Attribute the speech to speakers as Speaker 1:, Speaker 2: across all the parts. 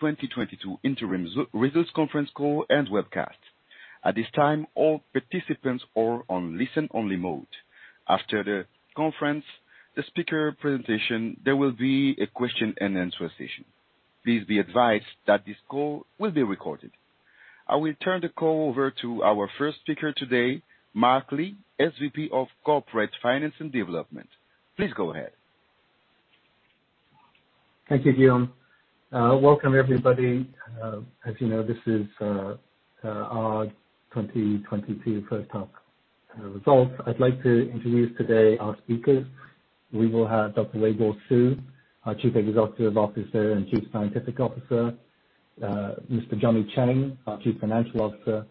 Speaker 1: 2022 interim results conference call and webcast. At this time, all participants are in listen-only mode. After the conference, the speaker presentation, there will be a question and answer session. Please be advised that this call will be recorded. I will turn the call over to our first speaker today, Mark Lee, SVP of Corporate Finance and Development. Please go ahead.
Speaker 2: Thank you, Guillaume. Welcome everybody. As you know, this is our 2022 first half results. I'd like to introduce today our speakers. We will have Dr. Weiguo Su, our Chief Executive Officer and Chief Scientific Officer, Mr. Johnny Cheng, our Chief Financial Officer,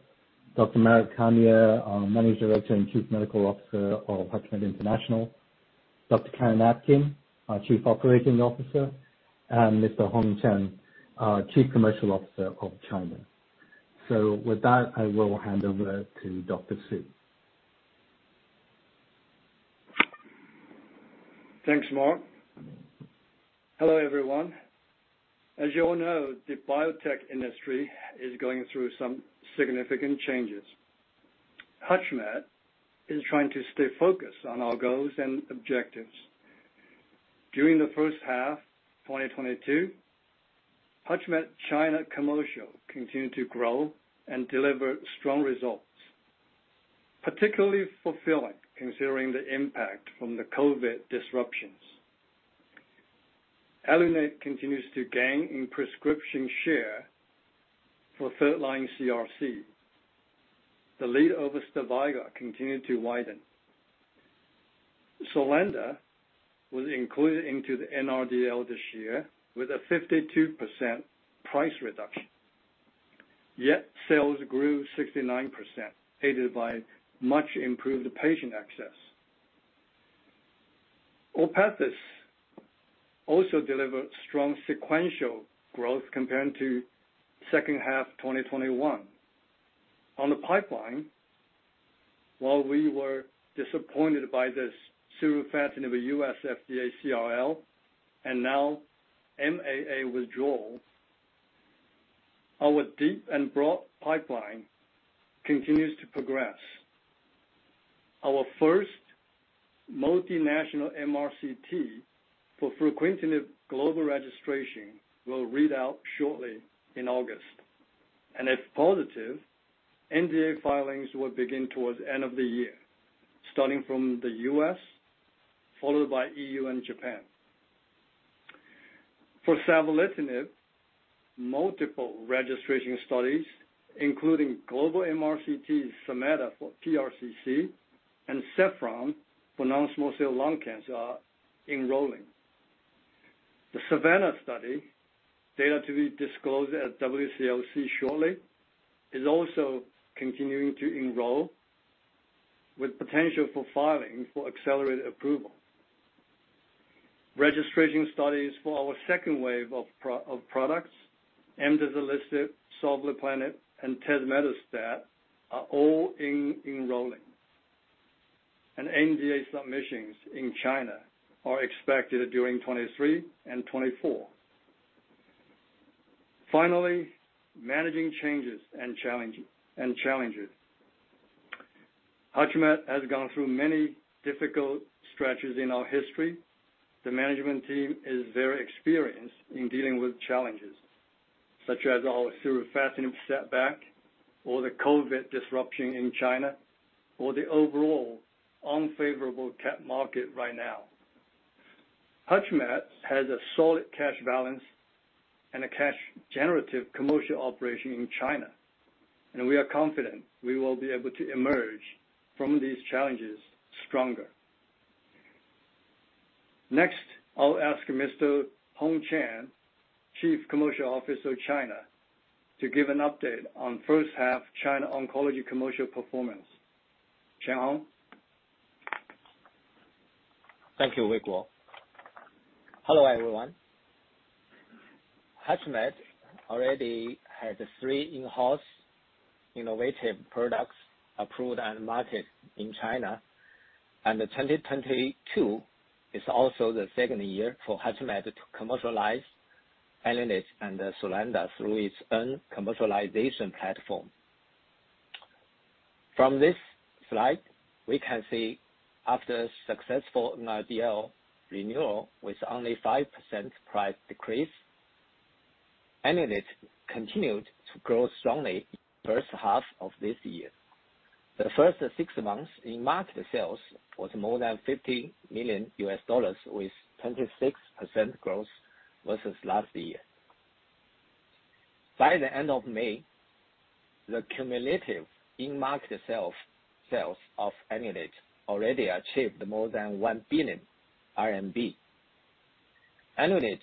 Speaker 2: Dr. Marek Kania, our Managing Director and Chief Medical Officer of HUTCHMED International, Dr. Karen Atkin, our Chief Operating Officer, and Mr. Hong Chen, our Chief Commercial Officer of China. With that, I will hand over to Dr. Su.
Speaker 3: Thanks, Mark. Hello, everyone. As you all know, the biotech industry is going through some significant changes. HUTCHMED is trying to stay focused on our goals and objectives. During the first half 2022, HUTCHMED China commercial continued to grow and deliver strong results, particularly fulfilling considering the impact from the COVID disruptions. ELUNATE continues to gain in prescription share for third-line CRC. The lead over Stivarga continued to widen. SULANDA was included into the NRDL this year with a 52% price reduction, yet sales grew 69%, aided by much improved patient access. ORPATHYS also delivered strong sequential growth compared to second half 2021. On the pipeline, while we were disappointed by the savolitinib U.S. FDA CRL and now MAA withdrawal, our deep and broad pipeline continues to progress. Our first multinational MRCT for fruquintinib global registration will read out shortly in August. If positive, NDA filings will begin toward the end of the year, starting from the US, followed by EU and Japan. For savolitinib, multiple registration studies, including global MRCT SAMETA for PRCC and SAFFRON for non-small cell lung cancer are enrolling. The SAVANNAH study, data to be disclosed at WCLC shortly, is also continuing to enroll with potential for filing for accelerated approval. Registration studies for our second wave of proof-of-concept products, amdizalisib, savolitinib, and tazemetostat are all enrolling. NDA submissions in China are expected during 2023 and 2024. Finally, managing changes and challenges. HUTCHMED has gone through many difficult stretches in our history. The management team is very experienced in dealing with challenges, such as our surufatinib setback or the COVID disruption in China or the overall unfavorable tech market right now. HUTCHMED has a solid cash balance and a cash generative commercial operation in China, and we are confident we will be able to emerge from these challenges stronger. Next, I'll ask Mr. Hong Chen, Chief Commercial Officer of China, to give an update on first half China oncology commercial performance. Chen Hong?
Speaker 4: Thank you, Weiguo. Hello, everyone. HUTCHMED already has three in-house innovative products approved and marketed in China, and 2022 is also the second year for HUTCHMED to commercialize ELUNATE and SULANDA through its own commercialization platform. From this slide, we can see after successful NRDL renewal with only 5% price decrease, ELUNATE continued to grow strongly first half of this year. The first six months in-market sales was more than $50 million with 26% growth versus last year. By the end of May, the cumulative in-market sales of ELUNATE already achieved more than 1 billion RMB. ELUNATE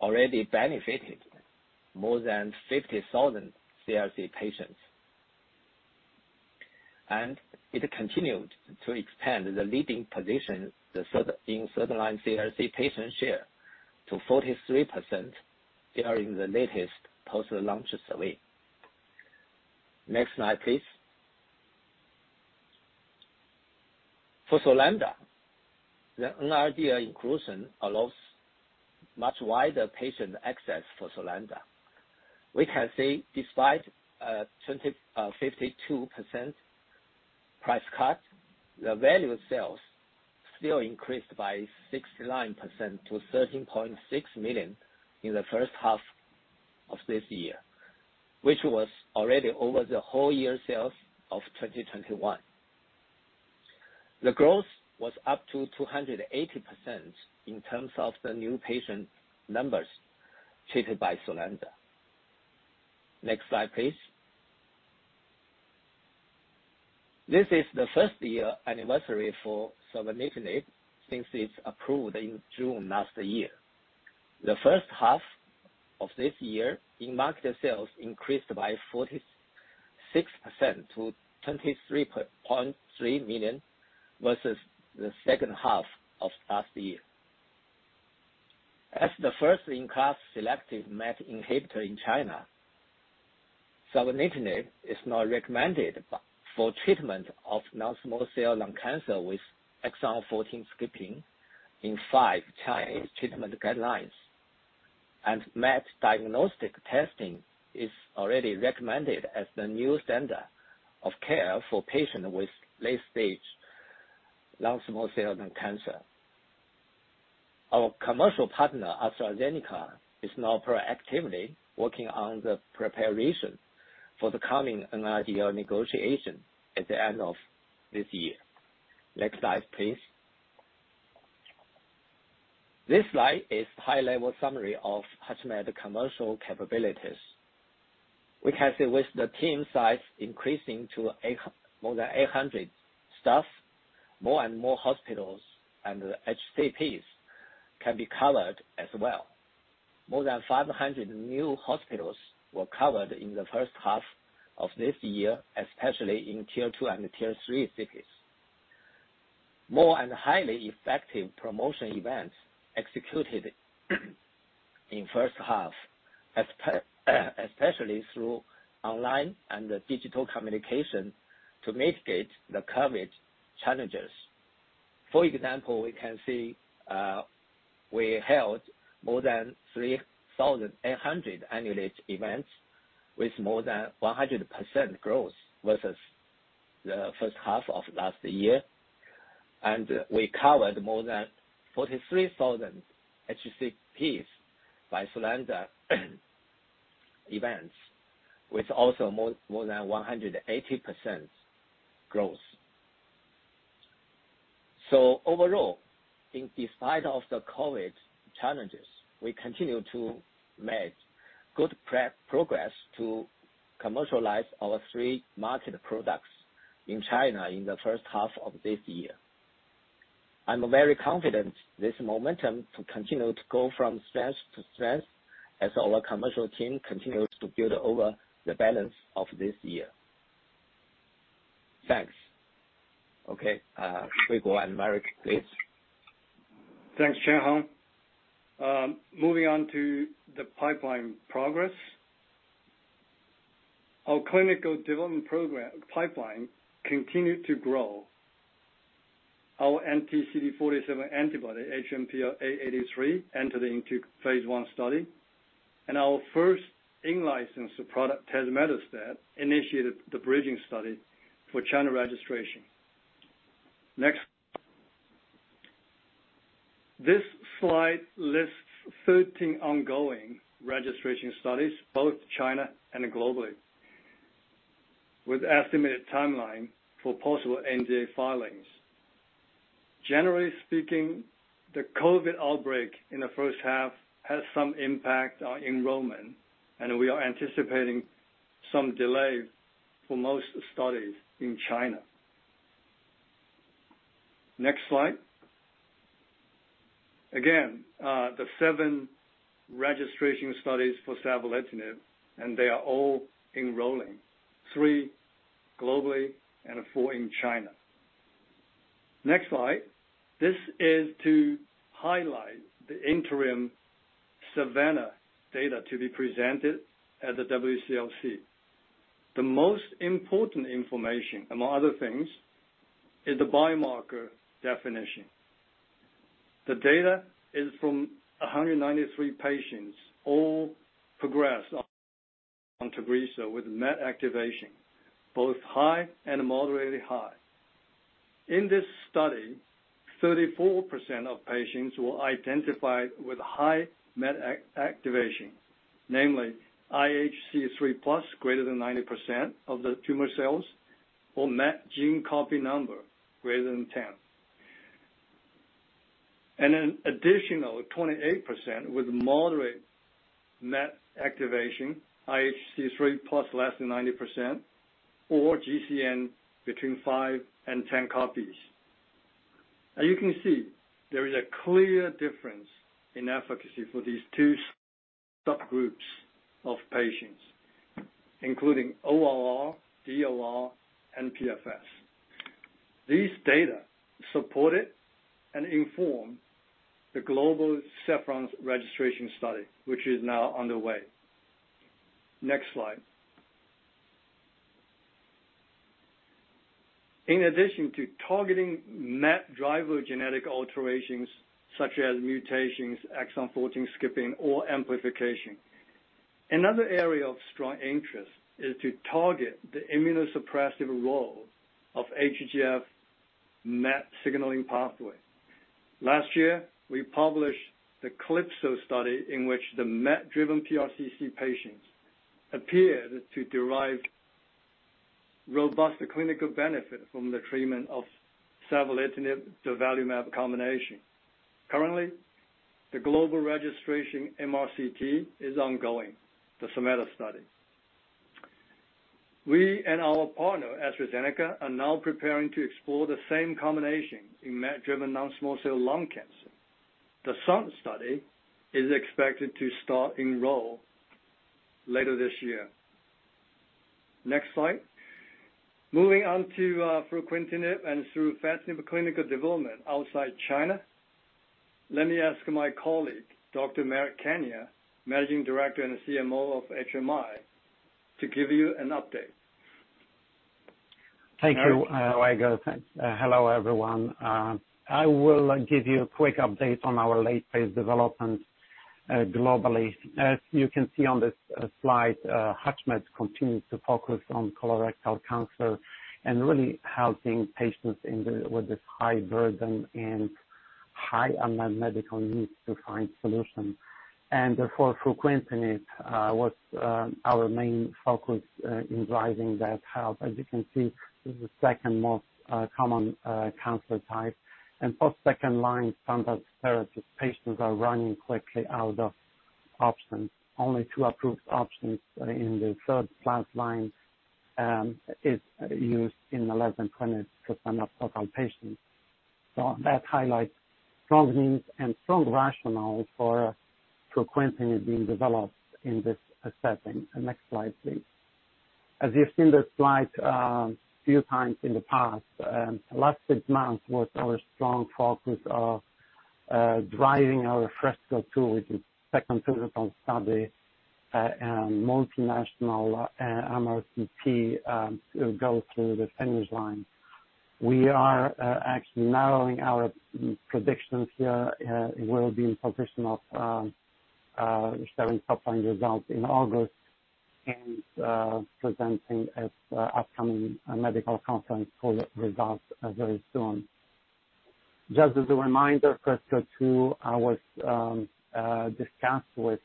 Speaker 4: already benefited more than 50,000 CRC patients. It continued to expand the leading position in third-line CRC patient share to 43% during the latest post-launch survey. Next slide, please. For SULANDA, the NRDL inclusion allows much wider patient access for SULANDA. We can see despite 52% price cut, the value sales still increased by 69% to $13.6 million in the first half of this year, which was already over the whole year sales of 2021. The growth was up to 280% in terms of the new patient numbers treated by SULANDA. Next slide, please. This is the first year anniversary for savolitinib since it's approved in June last year. The first half of this year, in-market sales increased by 46% to $23.3 million, versus the second half of last year. As the first in-class selective MET inhibitor in China, savolitinib is now recommended for treatment of non-small cell lung cancer with exon 14 skipping in five Chinese treatment guidelines. MET diagnostic testing is already recommended as the new standard of care for patient with late stage non-small cell lung cancer. Our commercial partner, AstraZeneca, is now proactively working on the preparation for the coming NRDL negotiation at the end of this year. Next slide, please. This slide is high level summary of HUTCHMED commercial capabilities. We can see with the team size increasing to more than 800 staff, more and more hospitals and the HCPs can be covered as well. More than 500 new hospitals were covered in the first half of this year, especially in Tier 2 and Tier 3 cities. More and highly effective promotion events executed in first half, especially through online and the digital communication to mitigate the COVID challenges. For example, we can see we held more than 3,800 annual events with more than 100% growth versus the first half of last year. We covered more than 43,000 HCPs by SULANDA events, with also more than 180% growth. Overall, in spite of the COVID-19 challenges, we continue to make good progress to commercialize our three marketed products in China in the first half of this year. I'm very confident this momentum to continue to go from strength to strength as our commercial team continues to build over the balance of this year. Thanks. Okay, Weiguo and Marek, please.
Speaker 3: Thanks, Chen Hong. Moving on to the pipeline progress. Our clinical development program pipeline continued to grow. Our anti-CD47 antibody, HMPL-A83, entered into Phase I study. Our first in-licensed product, tazemetostat, initiated the bridging study for China registration. Next. This slide lists 13 ongoing registration studies, both China and globally, with estimated timeline for possible NDA filings. Generally speaking, the COVID outbreak in the first half has some impact on enrollment, and we are anticipating some delay for most studies in China. Next slide. Again, the seven registration studies for savolitinib, and they are all enrolling, three globally and four in China. Next slide. This is to highlight the interim SAVANNAH data to be presented at the WCLC. The most important information, among other things, is the biomarker definition. The data is from 193 patients, all progressed on Tagrisso with MET activation, both high and moderately high. In this study, 34% of patients were identified with high MET activation, namely IHC3+ greater than 90% of the tumor cells or MET gene copy number greater than 10. An additional 28% with moderate MET activation, IHC3+ less than 90% or GCN between five and 10 copies. As you can see, there is a clear difference in efficacy for these two subgroups of patients, including ORR, DOR, and PFS. These data supported and informed the global SAFFRON registration study, which is now underway. Next slide. In addition to targeting MET driver genetic alterations such as mutations, exon 14 skipping, or amplification, another area of strong interest is to target the immunosuppressive role of HGF MET signaling pathway. Last year, we published the CALYPSO study in which the MET-driven PRCC patients appeared to derive robust clinical benefit from the treatment of savolitinib, durvalumab combination. Currently, the global registration MRCT is ongoing, the SAMETA study. We and our partner, AstraZeneca, are now preparing to explore the same combination in MET-driven non-small cell lung cancer. The SUN study is expected to start enrollment later this year. Next slide. Moving on to fruquintinib and its phase III clinical development outside China, let me ask my colleague, Dr. Marek Kania, Managing Director and CMO of HMI, to give you an update.
Speaker 5: Thank you, Weiguo. Hello, everyone. I will give you a quick update on our late phase development globally. As you can see on this slide, HUTCHMED continues to focus on colorectal cancer and really helping patients with this high burden and high unmet medical needs to find solutions. For fruquintinib, our main focus in driving that help. As you can see, this is the second most common cancer type. For second-line standard therapies, patients are running quickly out of options. Only two approved options in the third plus line is used in less than 20% of total patients. That highlights strong needs and strong rationale for fruquintinib being developed in this setting. Next slide, please. As you've seen this slide few times in the past, last six months was our strong focus of driving our FRESCO-2, which is second pivotal study, multinational MRCT, to go through the finish line. We are actually narrowing our predictions here. We will be in position of sharing top-line results in August and presenting at upcoming medical conference for the results very soon. Just as a reminder, FRESCO-2 was discussed with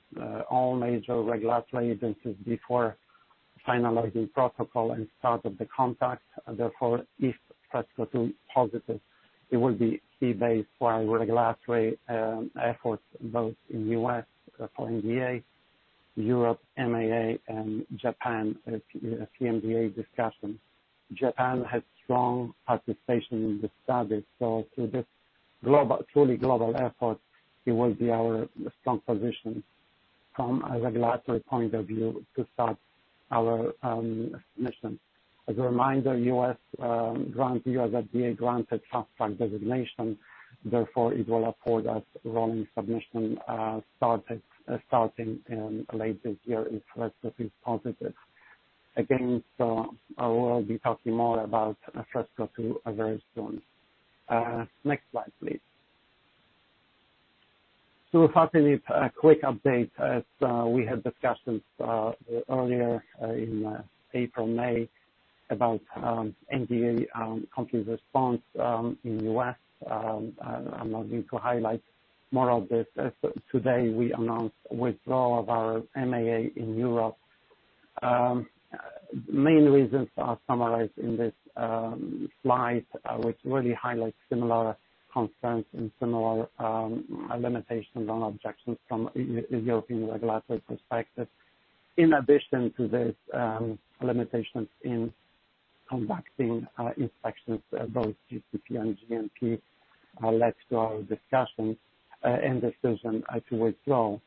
Speaker 5: all major regulatory agencies before finalizing protocol and start of the contract. Therefore, if FRESCO-2 positive, it will be key basis for our regulatory efforts both in U.S. for NDA, Europe, MAA, and Japan, as PMDA discussions. Japan has strong participation in the study, so through this truly global effort, it will be our strong position from a regulatory point of view to start our mission. As a reminder, U.S. FDA granted fast track designation, therefore it will afford us rolling submission starting in late this year if FRESCO-2 is positive. Again, I will be talking more about FRESCO-2 very soon. Next slide, please. So far, a quick update, as we had discussions earlier in April, May about NDA complete response in U.S. I'm not going to highlight more of this. As of today, we announced withdrawal of our MAA in Europe. Main reasons are summarized in this slide, which really highlights similar concerns and similar limitations and objections from European regulatory perspective. In addition to this, limitations in conducting inspections, both GCP and GMP, led to our discussions and decision to withdraw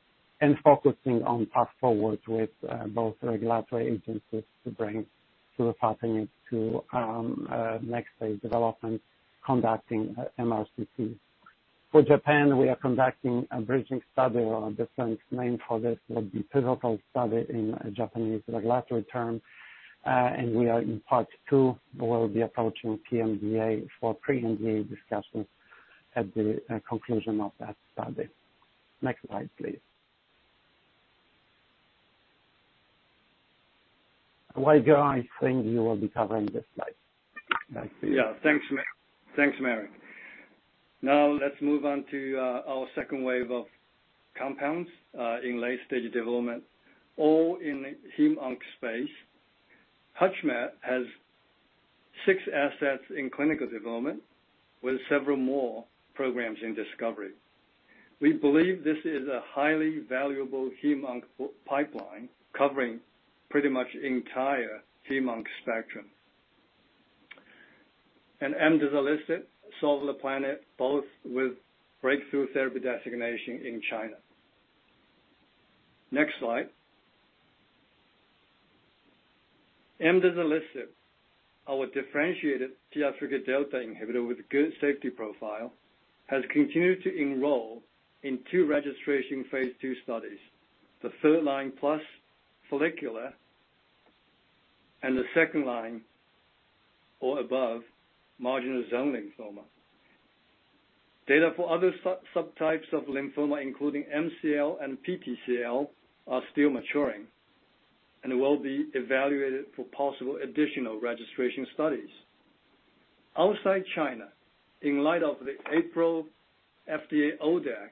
Speaker 5: and focusing on path forward with both regulatory agencies to bring surufatinib to next phase development, conducting MRCT. For Japan, we are conducting a bridging study or different name for this will be pivotal study in Japanese regulatory term. We are in part two. We will be approaching PMDA for pre-NDA discussions at the conclusion of that study. Next slide, please. Weiguo, I think you will be covering this slide. Next, please.
Speaker 3: Thanks, Marek. Now let's move on to our second wave of compounds in late-stage development, all in the HemOnc space. HUTCHMED has six assets in clinical development with several more programs in discovery. We believe this is a highly valuable HemOnc pipeline covering pretty much entire HemOnc spectrum. amdizalisib, sovleplenib, both with breakthrough therapy designation in China. Next slide. amdizalisib-Our differentiated PI3K delta inhibitor with good safety profile has continued to enroll in two registration phase two studies. The third line plus follicular and the second line or above marginal zone lymphoma. Data for other subtypes of lymphoma, including MCL and PTCL, are still maturing and will be evaluated for possible additional registration studies. Outside China, in light of the April FDA ODAC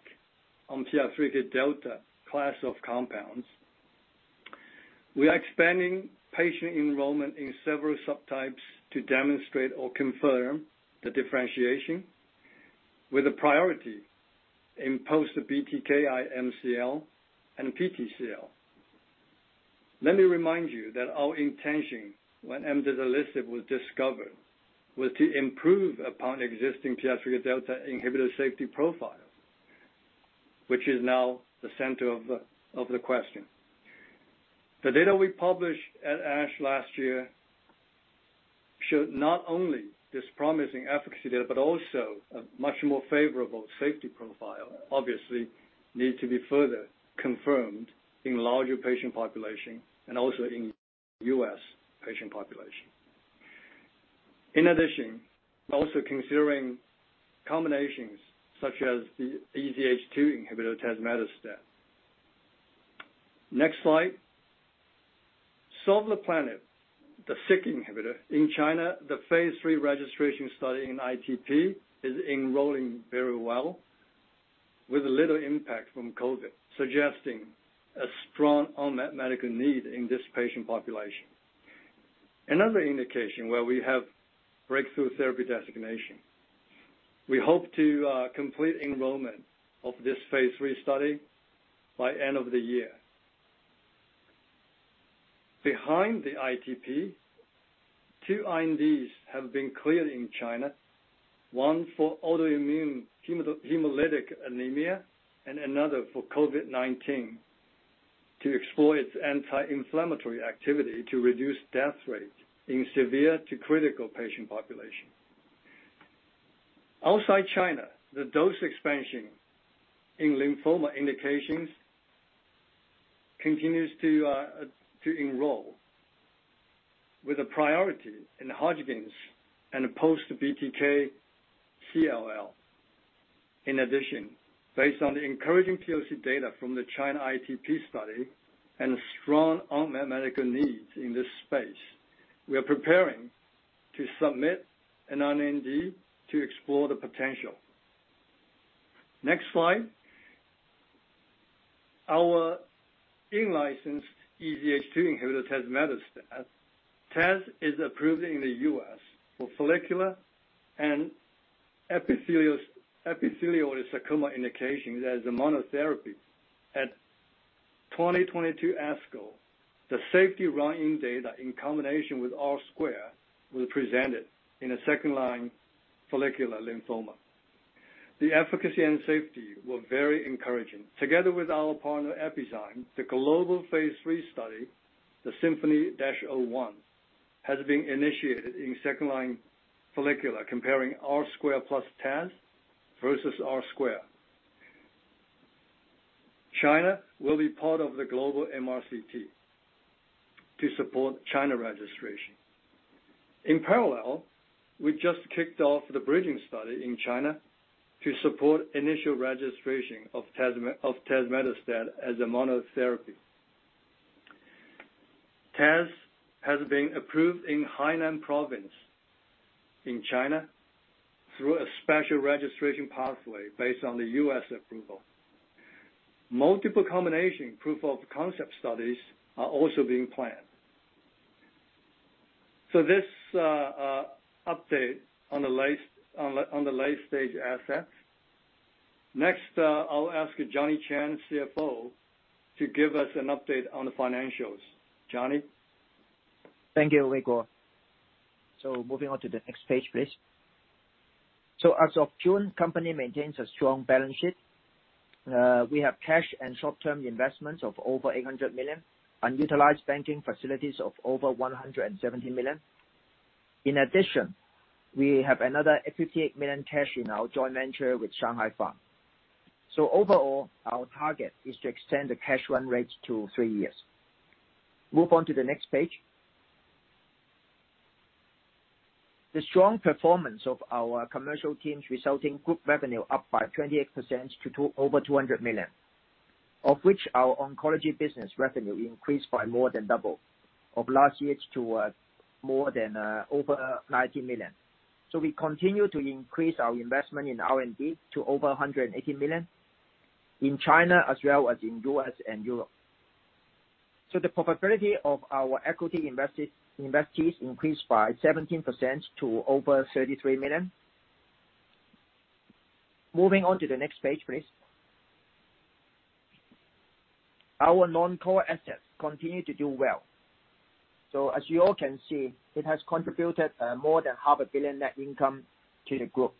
Speaker 3: on PI3K delta class of compounds, we are expanding patient enrollment in several subtypes to demonstrate or confirm the differentiation with a priority in post-BTKi MCL and PTCL. Let me remind you that our intention when amdizalisib was discovered was to improve upon existing PI3K delta inhibitor safety profile, which is now the center of the question. The data we published at ASH last year showed not only this promising efficacy data, but also a much more favorable safety profile, obviously need to be further confirmed in larger patient population and also in US patient population. In addition, also considering combinations such as the EZH2 inhibitor tazemetostat. Next slide, sovleplenib, the Syk inhibitor. In China, the phase III registration study in ITP is enrolling very well with little impact from COVID, suggesting a strong unmet medical need in this patient population. Another indication where we have breakthrough therapy designation, we hope to complete enrollment of this phase III study by end of the year. Behind the ITP, 2 INDs have been cleared in China, one for autoimmune hemolytic anemia, and another for COVID-19 to explore its anti-inflammatory activity to reduce death rate in severe to critical patient population. Outside China, the dose expansion in lymphoma indications continues to enroll with a priority in Hodgkin's and post-BTK CLL. In addition, based on the encouraging POC data from the China ITP study and strong unmet medical needs in this space, we are preparing to submit an IND to explore the potential. Next slide. Our in-licensed EZH2 inhibitor, tazemetostat. Taz is approved in the U.S. for follicular and epithelioid sarcoma indications as a monotherapy. At 2022 ASCO, the safety run-in data in combination with R-squared was presented in a second-line follicular lymphoma. The efficacy and safety were very encouraging. Together with our partner, Epizyme, the global phase III study, the SYMPHONY-1, has been initiated in second-line follicular comparing R-squared plus Taz versus R-squared. China will be part of the global MRCT to support China registration. In parallel, we just kicked off the bridging study in China to support initial registration of tazemetostat as a monotherapy. Taz has been approved in Hainan province in China through a special registration pathway based on the U.S. approval. Multiple combination proof of concept studies are also being planned. This update on the late-stage assets. Next, I'll ask Johnny Cheng, CFO, to give us an update on the financials. Johnny?
Speaker 6: Thank you, Weiguo. Moving on to the next page, please. As of June, company maintains a strong balance sheet. We have cash and short-term investments of over $800 million, unutilized banking facilities of over $170 million. In addition, we have another $58 million cash in our joint venture with Shanghai Pharmaceuticals. Overall, our target is to extend the cash run rate to three years. Move on to the next page. The strong performance of our commercial teams resulting group revenue up by 28% to over $200 million, of which our oncology business revenue increased by more than double of last year's to over $90 million. We continue to increase our investment in R&D to over $180 million in China as well as in the U.S. and Europe. The profitability of our equity invested investees increased by 17% to over $33 million. Moving on to the next page, please. Our non-core assets continue to do well. As you all can see, it has contributed more than $ half a billion net income to the group.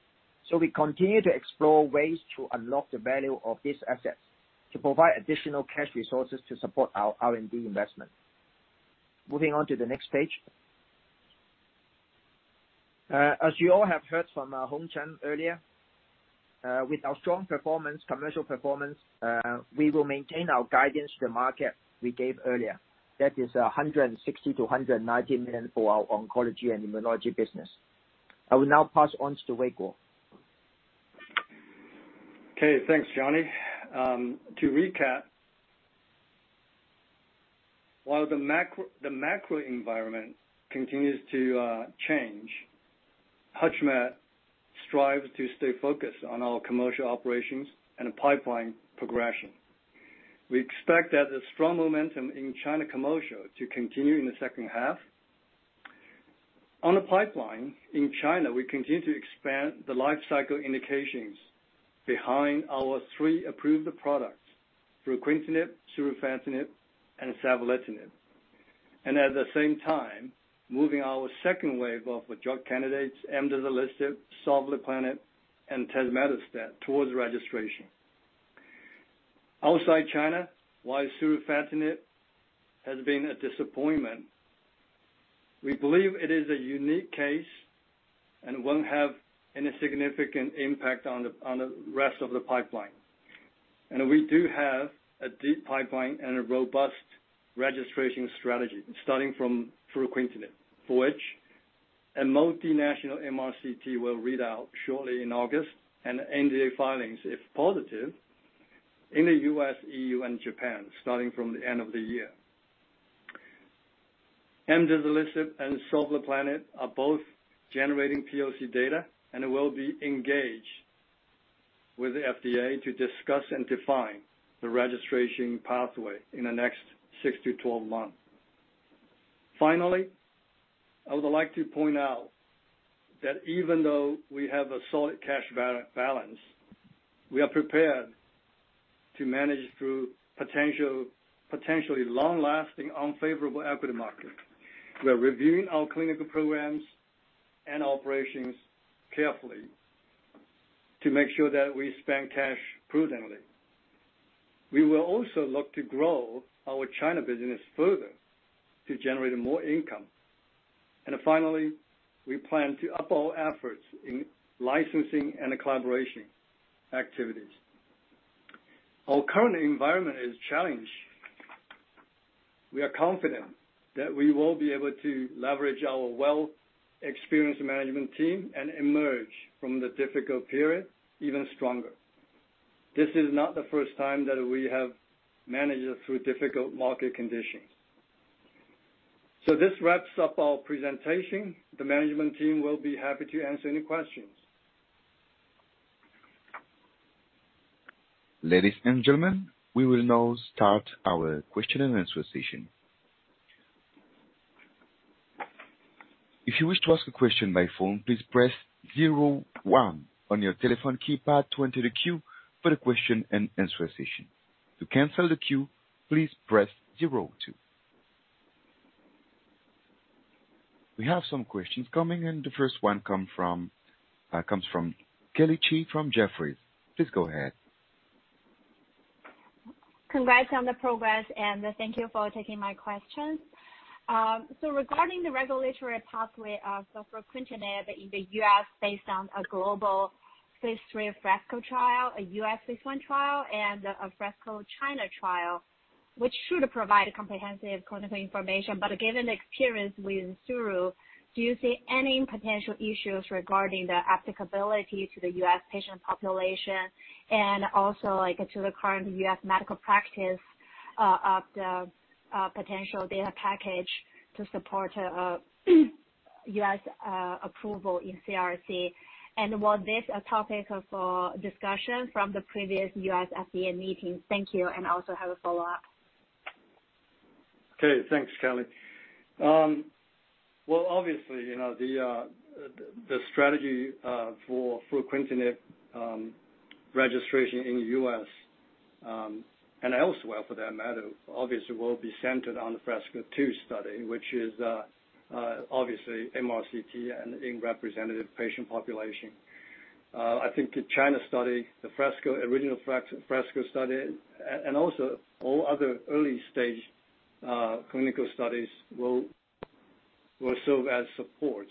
Speaker 6: We continue to explore ways to unlock the value of these assets. To provide additional cash resources to support our R&D investment. Moving on to the next page. As you all have heard from Hong Chen earlier, with our strong performance, commercial performance, we will maintain our guidance to the market we gave earlier. That is $160 million-$190 million for our oncology and immunology business. I will now pass on to Weiguo.
Speaker 3: Okay, thanks, Johnny. To recap, while the macro environment continues to change, HUTCHMED strives to stay focused on our commercial operations and pipeline progression. We expect that the strong momentum in China commercial to continue in the second half. On the pipeline in China, we continue to expand the life cycle indications behind our three approved products through fruquintinib, surufatinib and savolitinib. At the same time, moving our second wave of drug candidates, amdizalisib, sovleplenib and tazemetostat towards registration. Outside China, while surufatinib has been a disappointment, we believe it is a unique case and won't have any significant impact on the rest of the pipeline. We do have a deep pipeline and a robust registration strategy, starting from fruquintinib, for which a multinational MRCT will read out shortly in August and NDA filings, if positive, in the U.S., EU and Japan, starting from the end of the year. Amdizalisib and sovleplenib are both generating POC data and will be engaged with the FDA to discuss and define the registration pathway in the next six to 12 months. Finally, I would like to point out that even though we have a solid cash balance, we are prepared to manage through potentially long-lasting unfavorable equity market. We are reviewing our clinical programs and operations carefully to make sure that we spend cash prudently. We will also look to grow our China business further to generate more income. Finally, we plan to up our efforts in licensing and collaboration activities. Our current environment is challenged. We are confident that we will be able to leverage our well experienced management team and emerge from the difficult period even stronger. This is not the first time that we have managed through difficult market conditions. This wraps up our presentation. The management team will be happy to answer any questions.
Speaker 1: Ladies and gentlemen, we will now start our question and answer session. If you wish to ask a question by phone, please press zero one on your telephone keypad to enter the queue for the question and answer session. To cancel the queue, please press zero two. We have some questions coming in. The first one comes from Kelly Shi from Jefferies. Please go ahead.
Speaker 7: Congrats on the progress, and thank you for taking my questions. Regarding the regulatory pathway for fruquintinib in the U.S. based on a global phase III FRESCO trial, a U.S. phase I trial, and a FRESCO China trial, which should provide comprehensive clinical information. Given the experience with surufatinib, do you see any potential issues regarding the applicability to the U.S. patient population? And also, like, to the current U.S. medical practice of the potential data package to support U.S. approval in CRC. Was this a topic of discussion from the previous U.S. FDA meeting? Thank you, and I also have a follow-up.
Speaker 3: Okay, thanks, Kelly. Well obviously, you know, the strategy for fruquintinib registration in the U.S. and elsewhere for that matter obviously will be centered on the FRESCO-2 study, which is obviously MRCT and in representative patient population. I think the China study, the original FRESCO study and also all other early stage clinical studies will serve as supports.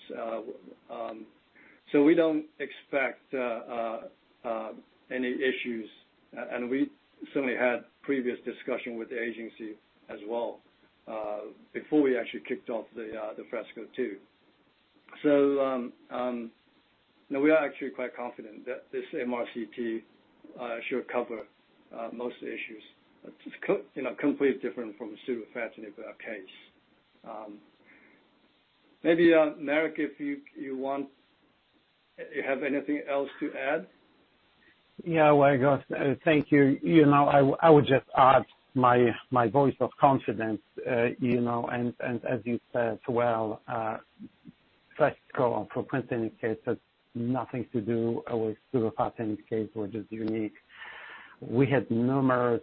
Speaker 3: We don't expect any issues. We certainly had previous discussion with the agency as well, before we actually kicked off the FRESCO-2. No, we are actually quite confident that this MRCT should cover most issues. It's you know, completely different from the surufatinib case. Maybe Marek, if you want you have anything else to add?
Speaker 5: Yeah, Weiguo, thank you. You know, I would just add my voice of confidence, you know, and as you said as well, FRESCO and fruquintinib case has nothing to do with surufatinib case, which is unique. We had numerous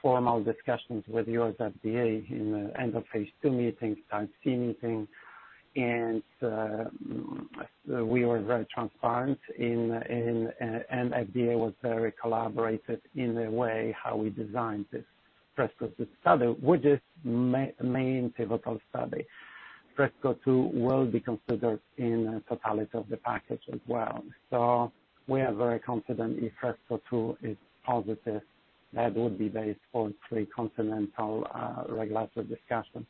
Speaker 5: formal discussions with US FDA in the end-of-phase II meetings, Type C meeting. We were very transparent in, and FDA was very collaborative in the way how we designed this FRESCO-2 study, which is main pivotal study. FRESCO-2 will be considered in the totality of the package as well. We are very confident if FRESCO-2 is positive, that would be based on three continental regulatory discussions.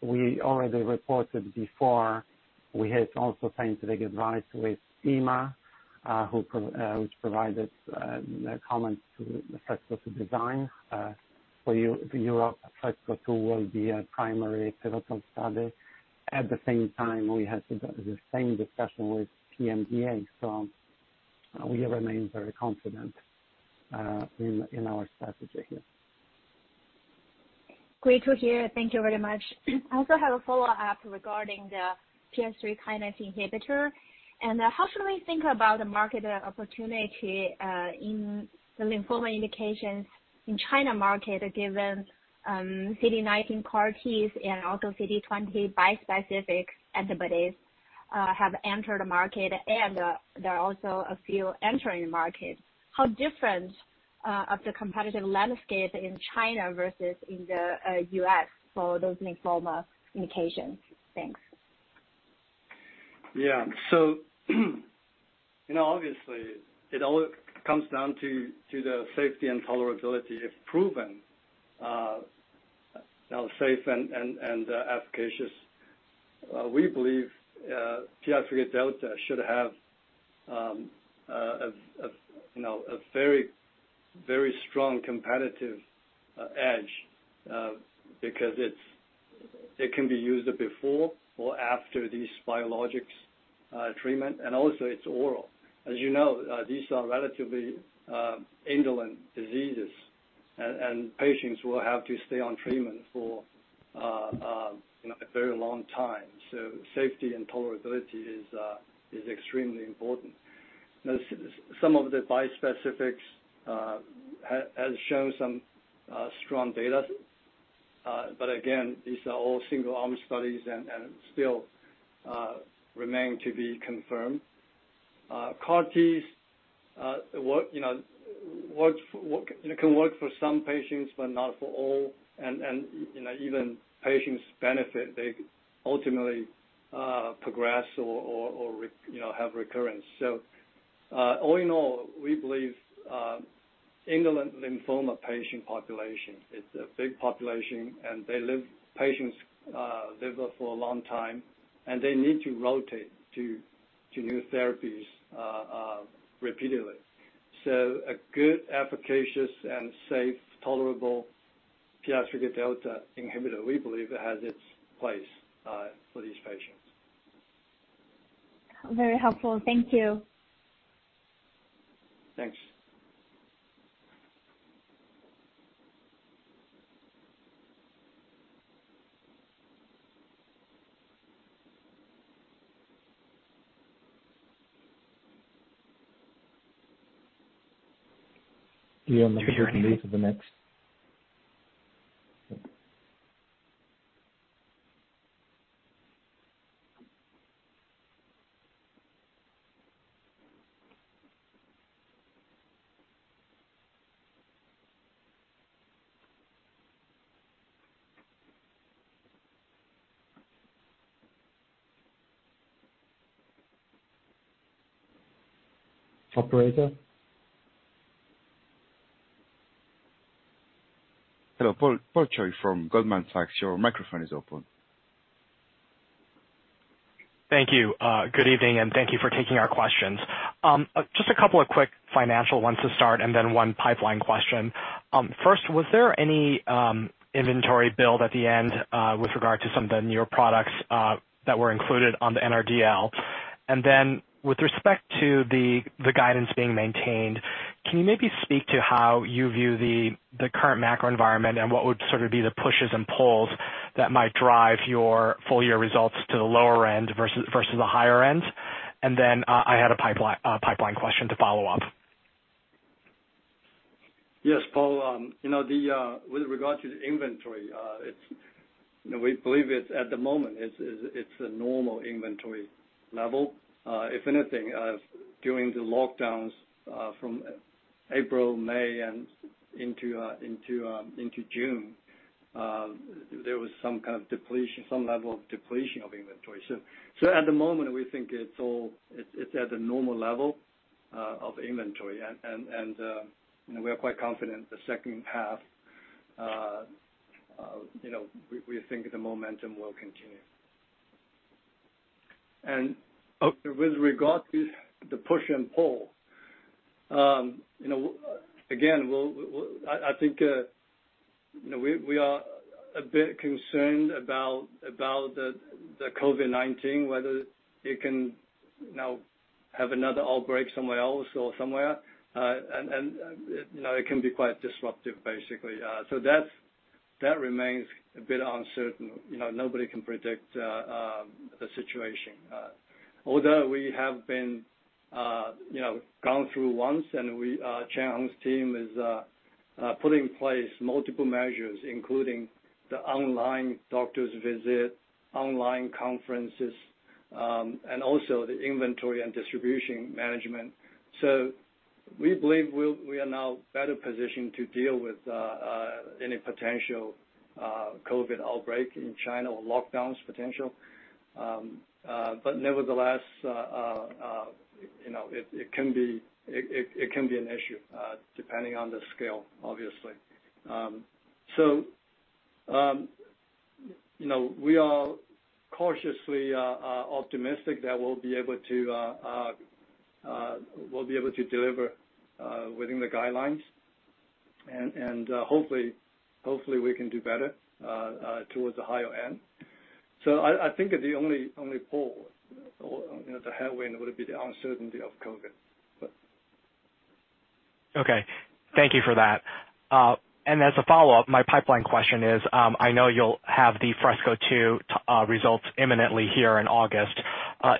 Speaker 5: We already reported before, we have also signed scientific advice with EMA, which provided comments to the FRESCO design. For Europe, FRESCO-2 will be a primary pivotal study. At the same time, we had the same discussion with PMDA, so we remain very confident in our strategy here.
Speaker 7: Great to hear. Thank you very much. I also have a follow-up regarding the PI3K inhibitor. How should we think about the market opportunity in the lymphoma indications in the China market, given CD19 CAR Ts and also CD20 bispecific antibodies have entered the market and there are also a few entering the market. How different is the competitive landscape in China versus in the U.S. for those lymphoma indications? Thanks.
Speaker 3: Yeah. You know, obviously it all comes down to the safety and tolerability. If proven safe and efficacious, we believe PI3Kδ should have a very strong competitive edge because it can be used before or after these biologics treatment, and also it's oral. As you know, these are relatively indolent diseases and patients will have to stay on treatment for a very long time. Safety and tolerability is extremely important. Now some of the bispecifics have shown some strong data, but again, these are all single-arm studies and still remain to be confirmed. CAR Ts work, you know, it can work for some patients, but not for all. You know, even patients benefit, they ultimately progress or have recurrence. All in all, we believe indolent lymphoma patient population, it's a big population and patients live for a long time, and they need to rotate to new therapies repeatedly. A good efficacious and safe tolerable PI3Kδ inhibitor, we believe, has its place for these patients.
Speaker 7: Very helpful. Thank you.
Speaker 3: Thanks.
Speaker 5: Operator, maybe you can move to the next.
Speaker 3: Operator.
Speaker 1: Hello, Paul Choi from Goldman Sachs. Your microphone is open.
Speaker 8: Thank you. Good evening, and thank you for taking our questions. Just a couple of quick financial ones to start, and then one pipeline question. First, was there any inventory build at the end with regard to some of the newer products that were included on the NRDL? And then with respect to the guidance being maintained, can you maybe speak to how you view the current macro environment and what would sort of be the pushes and pulls that might drive your full-year results to the lower end versus the higher end? And then I had a pipeline question to follow up.
Speaker 3: Yes, Paul. You know, with regard to the inventory, you know, we believe it's at the moment, it's a normal inventory level. If anything, during the lockdowns, from April, May and into June, there was some kind of depletion, some level of depletion of inventory. At the moment, we think it's at the normal level of inventory and, you know, we are quite confident the second half, you know, we think the momentum will continue. With regard to the push and pull, you know, again, we are a bit concerned about the COVID-19, whether it can, you know, have another outbreak somewhere else or somewhere, and you know, it can be quite disruptive, basically. That remains a bit uncertain. You know, nobody can predict the situation. Although we have been, you know, gone through once and we, Chen Hong's team is putting in place multiple measures, including the online doctor's visit, online conferences, and also the inventory and distribution management. We believe we are now better positioned to deal with any potential COVID outbreak in China or potential lockdowns. Nevertheless, you know, it can be an issue depending on the scale, obviously. You know, we are cautiously optimistic that we'll be able to deliver within the guidelines and hopefully we can do better towards the higher end. I think the only pull, or you know, the headwind would be the uncertainty of COVID.
Speaker 8: Okay. Thank you for that. As a follow-up, my pipeline question is, I know you'll have the FRESCO-2 results imminently here in August.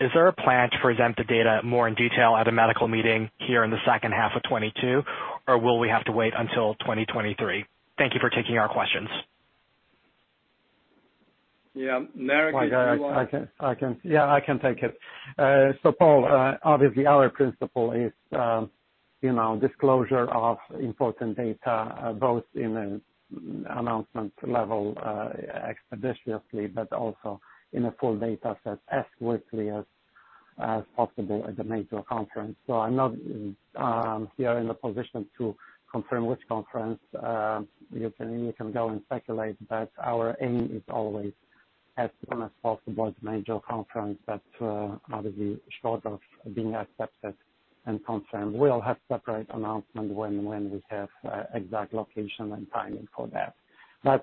Speaker 8: Is there a plan to present the data more in detail at a medical meeting here in the second half of 2022, or will we have to wait until 2023? Thank you for taking our questions.
Speaker 3: Yeah. Marek, if you want.
Speaker 5: Yeah, I can take it. Paul, obviously our principal is, you know, disclosure of important data, both in an announcement level, expeditiously, but also in a full data set as quickly as possible at the major conference. I'm not here in a position to confirm which conference. You can go and speculate, but our aim is always as soon as possible at the major conference, but obviously short of being accepted and confirmed. We'll have separate announcement when we have exact location and timing for that.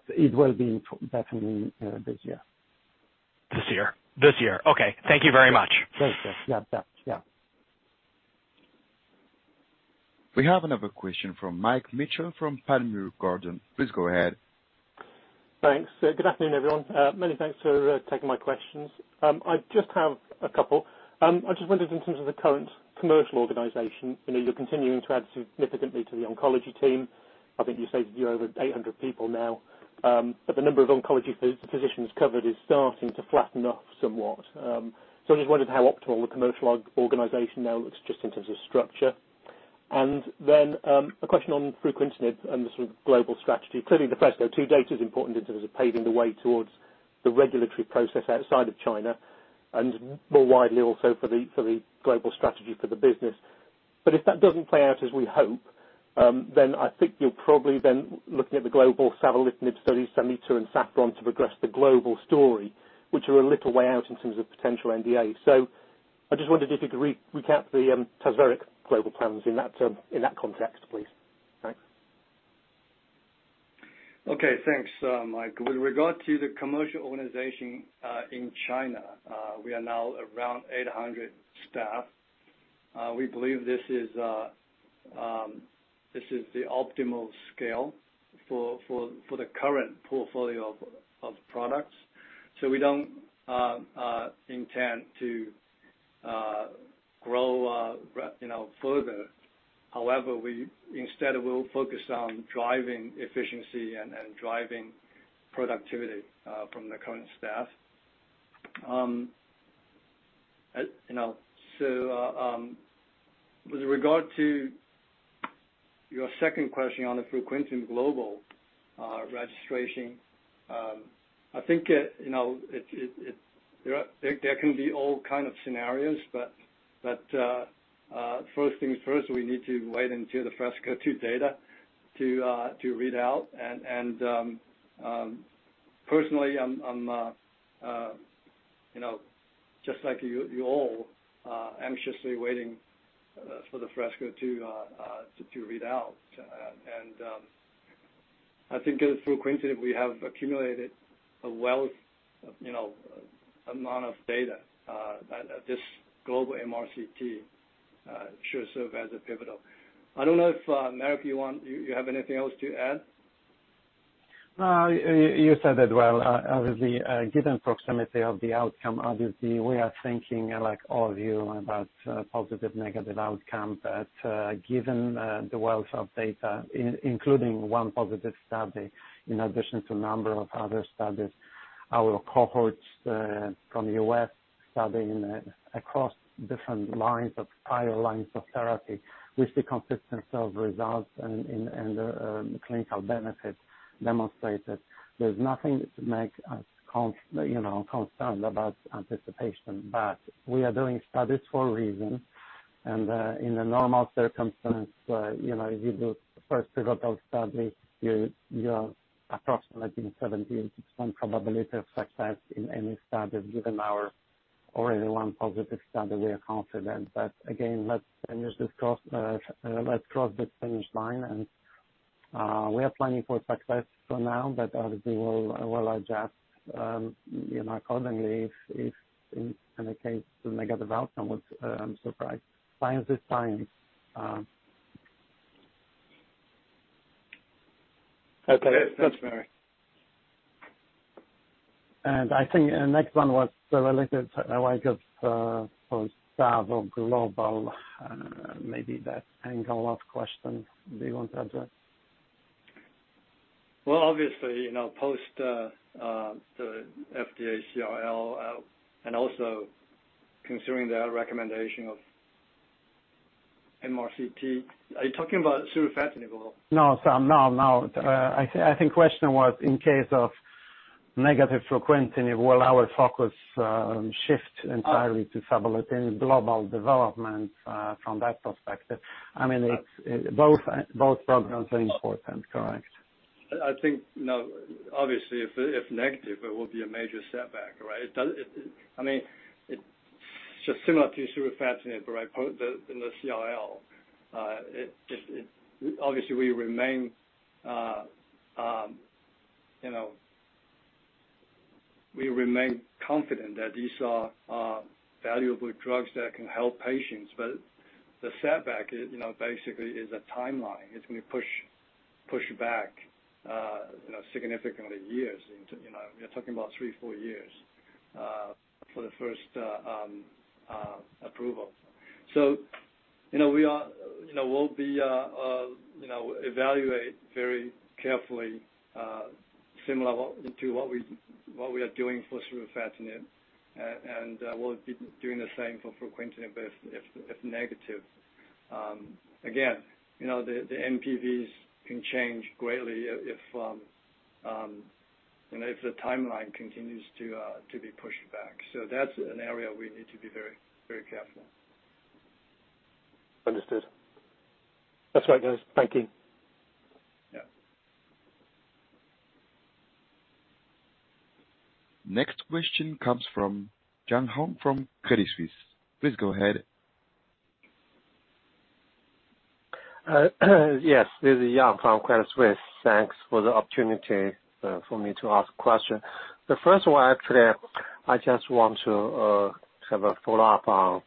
Speaker 5: It will be definitely this year.
Speaker 8: This year. Okay. Thank you very much.
Speaker 5: This year. Yeah.
Speaker 1: We have another question from Mike Mitchell from Panmure Liberum. Please go ahead.
Speaker 9: Thanks. Good afternoon, everyone. Many thanks for taking my questions. I just have a couple. I just wondered in terms of the current commercial organization, you know, you're continuing to add significantly to the oncology team. I think you said you're over 800 people now. The number of oncology physicians covered is starting to flatten off somewhat. I just wondered how optimal the commercial organization now looks just in terms of structure. A question on fruquintinib and the sort of global strategy. Clearly, the FRESCO-2 data is important in terms of paving the way towards the regulatory process outside of China and more widely also for the global strategy for the business. If that doesn't play out as we hope, then I think you're probably then looking at the global savolitinib studies, SAMETA and SAFFRON, to progress the global story, which are a little way out in terms of potential NDA. I just wondered if you could recap the tazemetostat global plans in that context, please. Thanks.
Speaker 3: Okay. Thanks, Mike. With regard to the commercial organization in China, we are now around 800 staff. We believe this is the optimal scale for the current portfolio of products. We don't intend to grow, you know, further. However, we instead will focus on driving efficiency and driving productivity from the current staff. You know, with regard to your second question on the fruquintinib global registration, I think, you know, it. There can be all kind of scenarios, but first things first, we need to wait until the FRESCO-2 data to read out. Personally, I'm you know just like you all anxiously waiting for the FRESCO-2 to read out. I think fruquintinib we have accumulated a wealth you know amount of data that this global MRCT should serve as a pivotal. I don't know if Marek you want you have anything else to add?
Speaker 5: No, you said it well. Obviously, given proximity of the outcome, obviously we are thinking like all of you about positive, negative outcome. Given the wealth of data, including one positive study in addition to number of other studies, our cohorts from the U.S. studying across different lines of prior therapy with the consistency of results and clinical benefits demonstrated, there's nothing to make us, you know, concerned about anticipation. We are doing studies for a reason and, in the normal circumstance, you know, you do first pivotal study, you are approximating 70%-80% probability of success in any study. Given our already one positive study, we are confident. Again, let's cross the finish line and we are planning for success for now, but obviously we'll adjust, you know, accordingly if in the case the negative outcome was surprise. Science is science.
Speaker 3: Okay. That's fair.
Speaker 5: I think next one was related to in the wake of post-savolitinib global, maybe that angle of question. Do you want to address?
Speaker 9: Well, obviously, you know, post the FDA CRL and also considering the recommendation of MRCT. Are you talking about surufatinib or?
Speaker 5: No, Mike. No, no. I think question was in case of negative fruquintinib, will our focus shift entirely to savolitinib global development, from that perspective? I mean, it's both programs are important, correct.
Speaker 3: I think, you know, obviously if negative, it will be a major setback, right? I mean, it's just similar to surufatinib, right? Post the CRL. It obviously will remain, you know, we remain confident that these are valuable drugs that can help patients. But the setback is, you know, basically is a timeline. It's gonna push back, you know, significantly years into, you know, we are talking about three, four years for the first approval. You know, we'll evaluate very carefully, similar to what we are doing for surufatinib. We'll be doing the same for fruquintinib if negative. Again, you know, the NPVs can change greatly if you know, if the timeline continues to be pushed back. That's an area we need to be very careful.
Speaker 5: Understood.
Speaker 9: That's right, guys. Thank you.
Speaker 3: Yeah.
Speaker 1: Next question comes from Yang Huang from Credit Suisse. Please go ahead.
Speaker 10: Yes, this is Yang Huang from Credit Suisse. Thanks for the opportunity for me to ask question. The first one, actually, I just want to have a follow-up on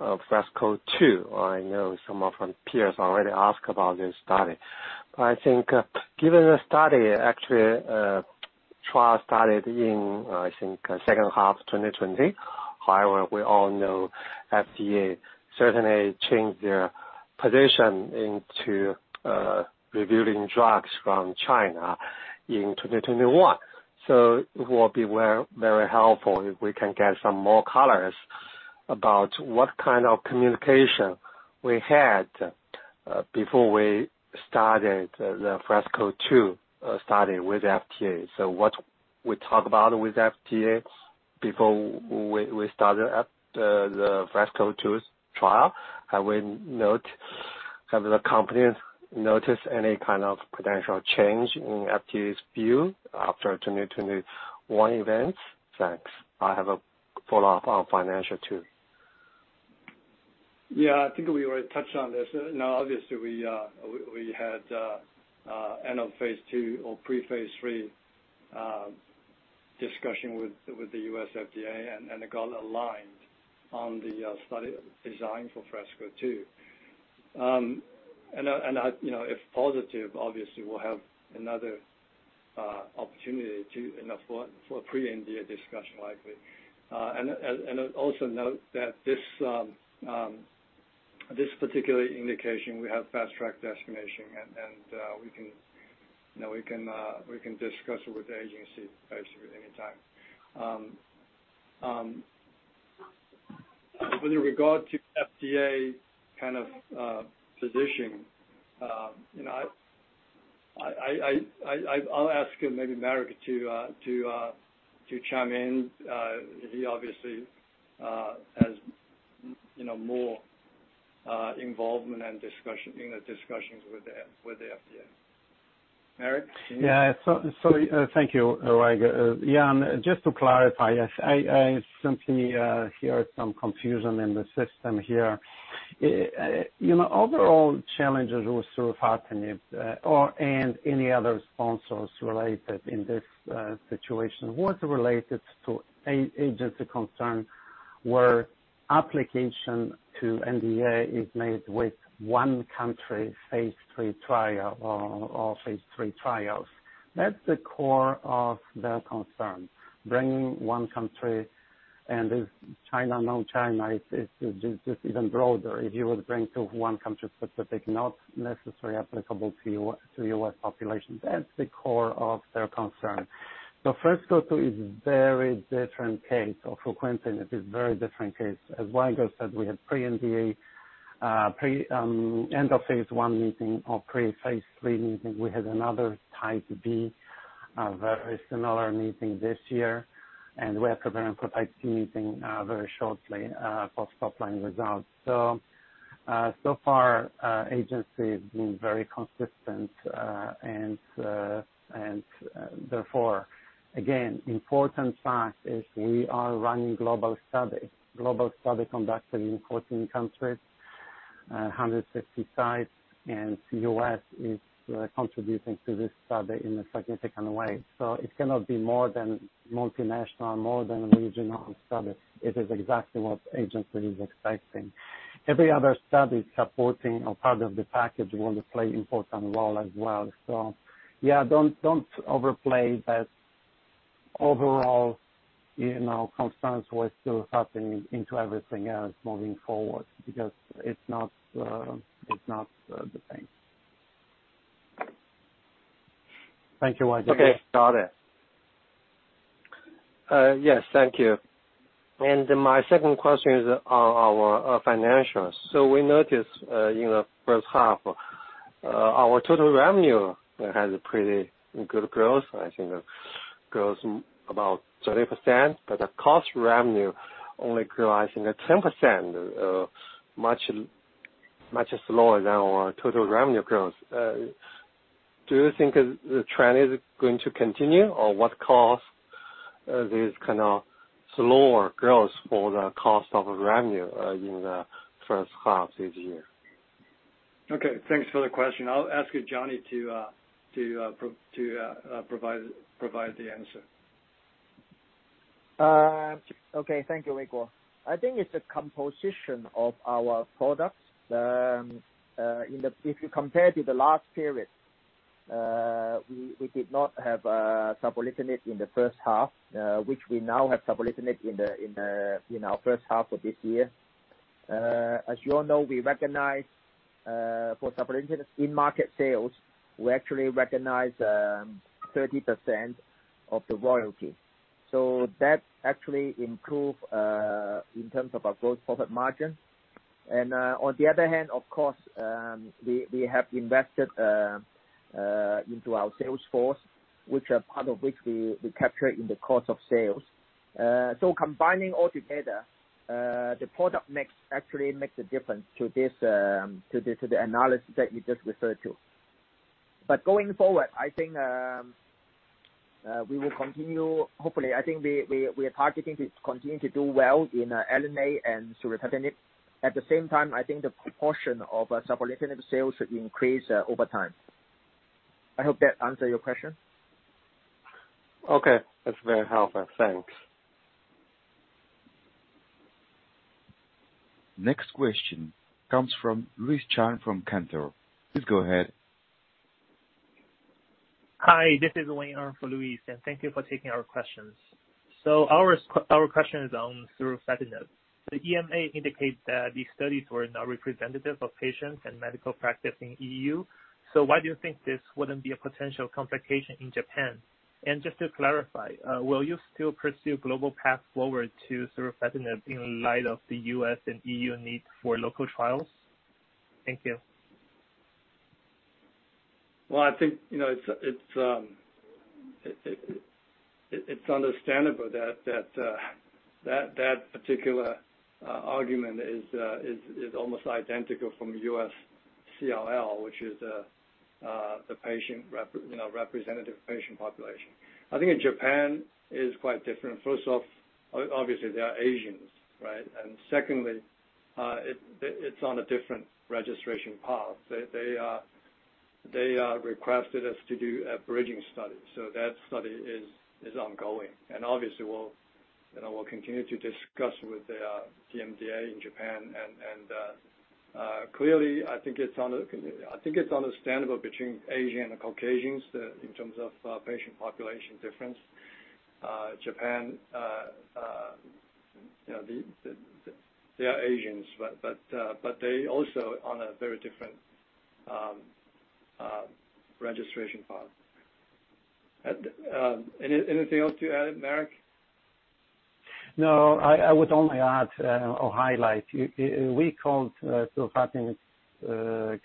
Speaker 10: FRESCO-2. I know some of my peers already asked about this study. I think, given the study actually, trial started in, I think, second half of 2020. However, we all know FDA certainly changed their position into reviewing drugs from China in 2021. It will be very, very helpful if we can get some more colors about what kind of communication we had before we started the FRESCO-2 study with FDA. What we talk about with FDA before we started the FRESCO-2's trial? I will note, have the company noticed any kind of potential change in FDA's view after 2021 events? Thanks. I have a follow-up on financial too.
Speaker 3: Yeah. I think we already touched on this. Now, obviously we had end of phase II or pre-phase III discussion with the U.S. FDA and it got aligned on the study design for FRESCO-2. You know, if positive, obviously we'll have another opportunity to, you know, for a pre-NDA discussion likely. Also note that this particular indication, we have fast track designation and we can, you know, discuss it with the agency basically any time. With regard to FDA kind of position, you know, I'll ask maybe Marek to chime in. He obviously has, you know, more involvement and discussions with the FDA. Marek?
Speaker 5: Yeah. Thank you, Yang. Yeah, and just to clarify, yes, I simply hear some confusion in the system here. You know, overall challenges with surufatinib or and any other sponsors related in this situation was related to agency concern, where application to NDA is made with one country phase III trial or phase III trials. That's the core of their concern, bringing one country and if China, non-China, it's just even broader. If you would bring to one country specific, not necessarily applicable to U.S. populations. That's the core of their concern. The FRESCO-2 is very different case or fruquintinib is very different case. As Weiguo Su said, we had pre-NDA, pre end of phase I meeting or pre-phase III meeting. We had another Type B, very similar meeting this year, and we are preparing for Type C meeting, very shortly, post top line results. So far, agency has been very consistent, and therefore again, important fact is we are running global study. Global study conducted in 14 countries, 150 sites and U.S. is contributing to this study in a significant way. It cannot be more than multinational, more than regional study. It is exactly what agency is expecting. Every other study supporting or part of the package will play important role as well. Yeah, don't overplay that. Overall, you know, confidence will still happen into everything else moving forward because it's not the same.
Speaker 10: Thank you, Weiguo Su.
Speaker 3: Okay, got it.
Speaker 10: Yes, thank you. My second question is on our financials. We noticed in the first half our total revenue has a pretty good growth. I think growth about 30%, but the cost of revenue only grew, I think, at 10%, much slower than our total revenue growth. Do you think the trend is going to continue? Or what caused this kind of slower growth for the cost of revenue in the first half this year?
Speaker 3: Okay, thanks for the question. I'll ask Johnny to provide the answer.
Speaker 6: Okay, thank you, Weiguo Su. I think it's the composition of our products. If you compare to the last period, we did not have savolitinib in the first half, which we now have savolitinib in our first half of this year. As you all know, we recognize for savolitinib in-market sales, we actually recognize 30% of the royalty. So that actually improve in terms of our gross profit margin. On the other hand, of course, we have invested into our sales force, which a part of which we capture in the cost of sales. Combining all together, the product actually makes a difference to this, the analysis that you just referred to. Going forward, I think we will continue. Hopefully, I think we are targeting to continue to do well in ELUNATE and surufatinib. At the same time, I think the proportion of savolitinib sales should increase over time. I hope that answer your question.
Speaker 10: Okay. That's very helpful. Thanks.
Speaker 1: Next question comes from Louise Chen from Cantor. Please go ahead.
Speaker 11: Hi, this is Wayne Wu for Louise Chen, and thank you for taking our questions. Our question is on surufatinib. The EMA indicates that these studies were not representative of patients and medical practice in EU, so why do you think this wouldn't be a potential complication in Japan? And just to clarify, will you still pursue global path forward to surufatinib in light of the US and EU need for local trials? Thank you.
Speaker 3: Well, I think, you know, it's understandable that that particular argument is almost identical from U.S. CLL, which is the patient representative patient population. I think in Japan it is quite different. First off, obviously, they are Asians, right? And secondly, it's on a different registration path. They requested us to do a bridging study, so that study is ongoing. And obviously we'll, you know, we'll continue to discuss with the PMDA in Japan. And clearly, I think it's understandable between Asian and Caucasians, in terms of patient population difference. Japan, you know, the they are Asians, but but they also on a very different registration path. Anything else to add, Marek?
Speaker 5: No, I would only add or highlight, we called surufatinib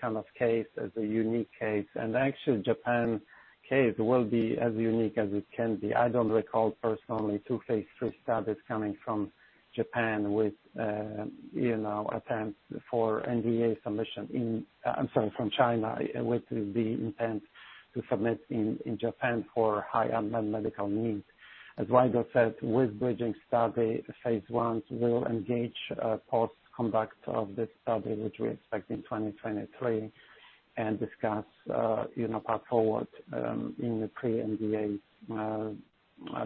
Speaker 5: kind of case as a unique case, and actually Japan case will be as unique as it can be. I don't recall personally two Phase III studies coming from China with attempt for NDA submission in Japan for high unmet medical needs. As Weiguo Su said, with bridging study, phase I will engage post conduct of this study, which we expect in 2023, and discuss path forward in the pre-NDA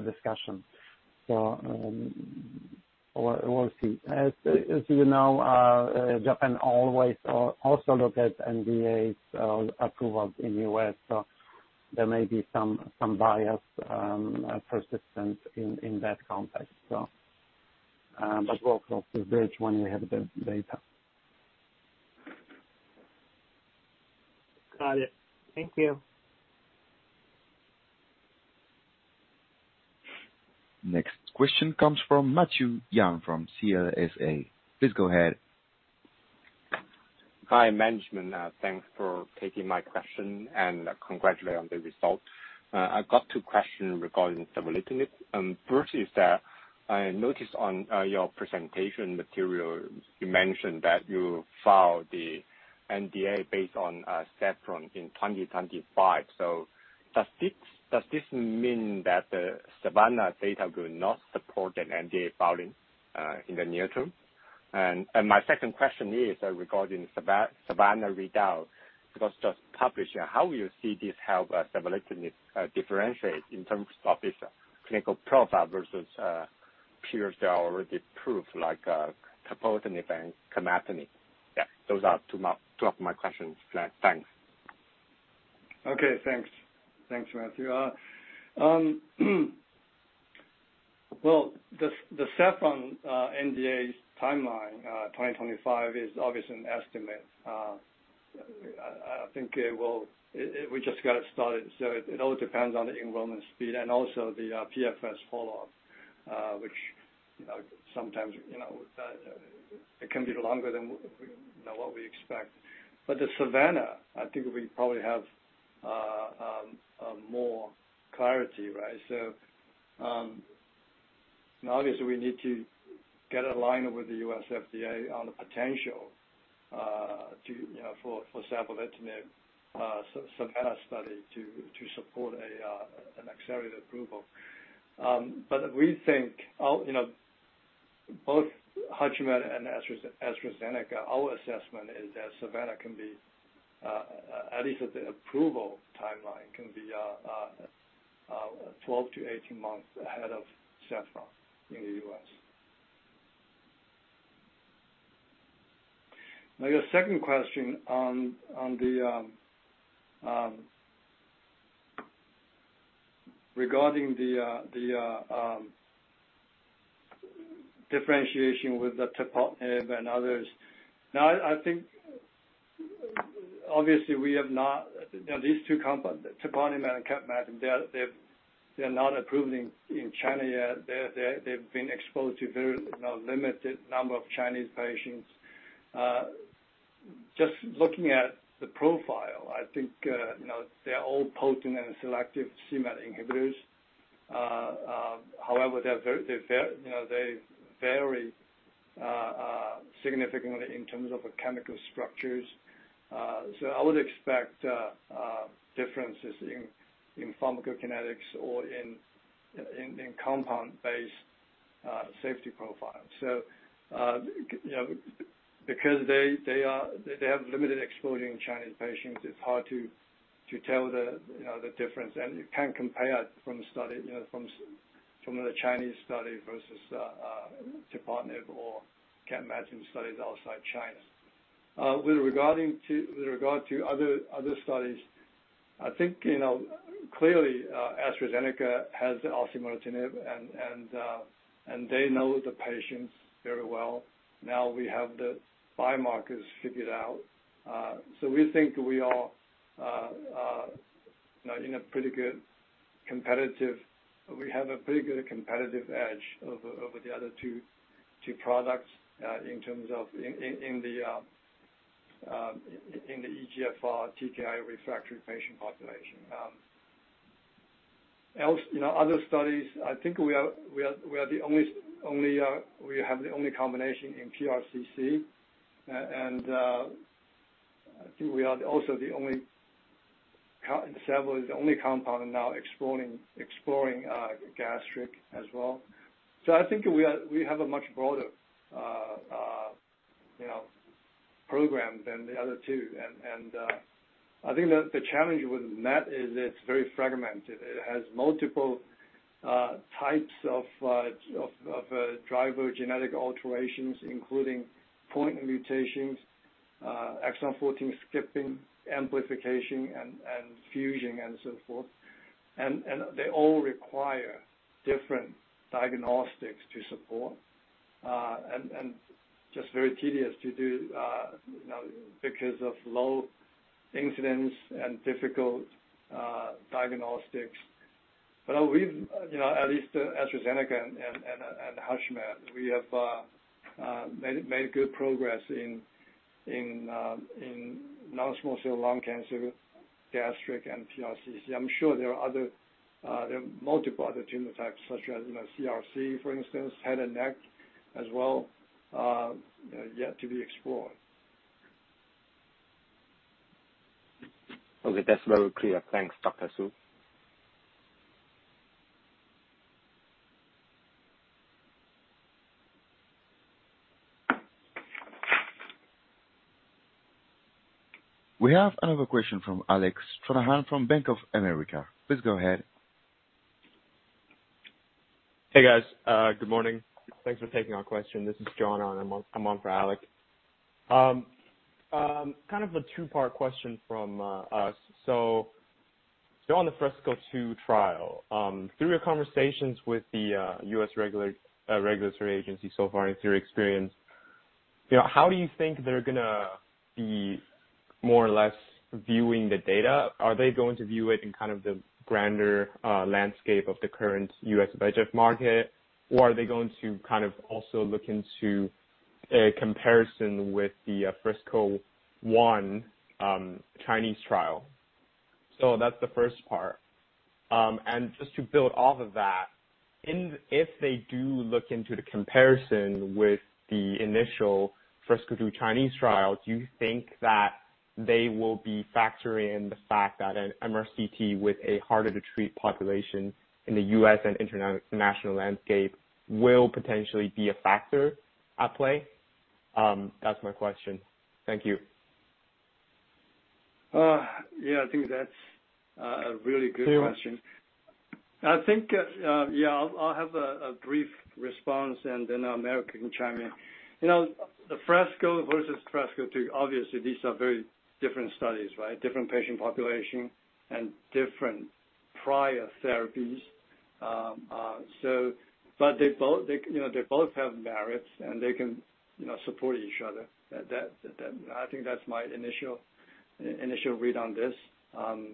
Speaker 5: discussion. We'll see. As you know, Japan always also look at NDAs approval in U.S., so there may be some bias persistence in that context. We'll cross the bridge when we have the data.
Speaker 11: Got it. Thank you.
Speaker 1: Next question comes from Matthew Yan from CLSA. Please go ahead.
Speaker 12: Hi, management. Thanks for taking my question, and congratulations on the results. I've got two questions regarding savolitinib. First is that I noticed on your presentation material, you mentioned that you filed the NDA based on SAFFRON in 2025. Does this mean that the SAVANNAH data will not support an NDA filing in the near term? My second question is regarding SAVANNAH readout, because just publishing, how will you see this help savolitinib differentiate in terms of its clinical profile versus peers that are already approved like capmatinib and tepotinib? Yeah, those are two of my questions. Thanks.
Speaker 3: Okay, thanks. Thanks, Matthew. Well, the SAFFRON NDA's timeline, 2025 is obviously an estimate. I think it will. We just got it started, so it all depends on the enrollment speed and also the PFS follow-up, which, you know, sometimes it can be longer than what we expect. But the SAVANNAH, I think we probably have more clarity, right? And obviously we need to get aligned with the U.S. FDA on the potential to, you know, for savolitinib, SAVANNAH study to support an accelerated approval. We think our, you know, both HUTCHMED and AstraZeneca, our assessment is that SAVANNAH can be at least at the approval timeline 12-18 months ahead of SAFFRON in the U.S. Now, your second question on the differentiation with the tepotinib and others. Now, I think obviously we have not. You know, these two compounds, tepotinib and capmatinib, they're not approved in China yet. They've been exposed to very, you know, limited number of Chinese patients. Just looking at the profile, I think, you know, they're all potent and selective c-MET inhibitors. However, they're very, you know, they vary significantly in terms of the chemical structures. I would expect differences in pharmacokinetics or in compound-based safety profile. You know, because they have limited exposure in Chinese patients, it's hard to tell, you know, the difference. You can't compare from study, you know, from the Chinese study versus tepotinib or capmatinib studies outside China. With regard to other studies, I think, you know, clearly, AstraZeneca has osimertinib and they know the patients very well. Now we have the biomarkers figured out. We think we are, you know, we have a pretty good competitive edge over the other two products in terms of the EGFR TKI-refractory patient population. In other studies, I think we have the only combination in PRCC. I think savol is the only compound now exploring gastric as well. I think we have a much broader, you know, program than the other two. I think the challenge with MET is it's very fragmented. It has multiple types of driver genetic alterations, including point mutations, exon 14 skipping, amplification and fusion and so forth. They all require different diagnostics to support, and just very tedious to do, you know, because of low incidence and difficult diagnostics. You know, at least AstraZeneca and HUTCHMED, we have made good progress in non-small cell lung cancer, gastric, and PRCC. I'm sure there are multiple other tumor types such as, you know, CRC for instance, head and neck as well, yet to be explored.
Speaker 1: Okay. That's very clear. Thanks, Dr. Su. We have another question from Alec Stranahan from Bank of America. Please go ahead.
Speaker 13: Hey, guys. Good morning. Thanks for taking our question. This is John. I'm on for Alec. Kind of a two-part question from us. On the FRESCO-2 trial, through your conversations with the U.S. regulatory agency so far in your experience, you know, how do you think they're gonna be more or less viewing the data? Are they going to view it in kind of the grander landscape of the current U.S. biologic market, or are they going to kind of also look into a comparison with the FRESCO-1 Chinese trial? That's the first part. Just to build off of that, if they do look into the comparison with the initial FRESCO-2 Chinese trial, do you think that they will be factoring the fact that an MRCT with a harder to treat population in the U.S. and international landscape will potentially be a factor at play? That's my question. Thank you.
Speaker 3: Yeah. I think that's a really good question. I think yeah, I'll have a brief response, and then Marek can chime in. You know, the FRESCO versus FRESCO-2, obviously these are very different studies, right? Different patient population and different prior therapies. But they both have merits, and they can support each other. That I think that's my initial read on this. I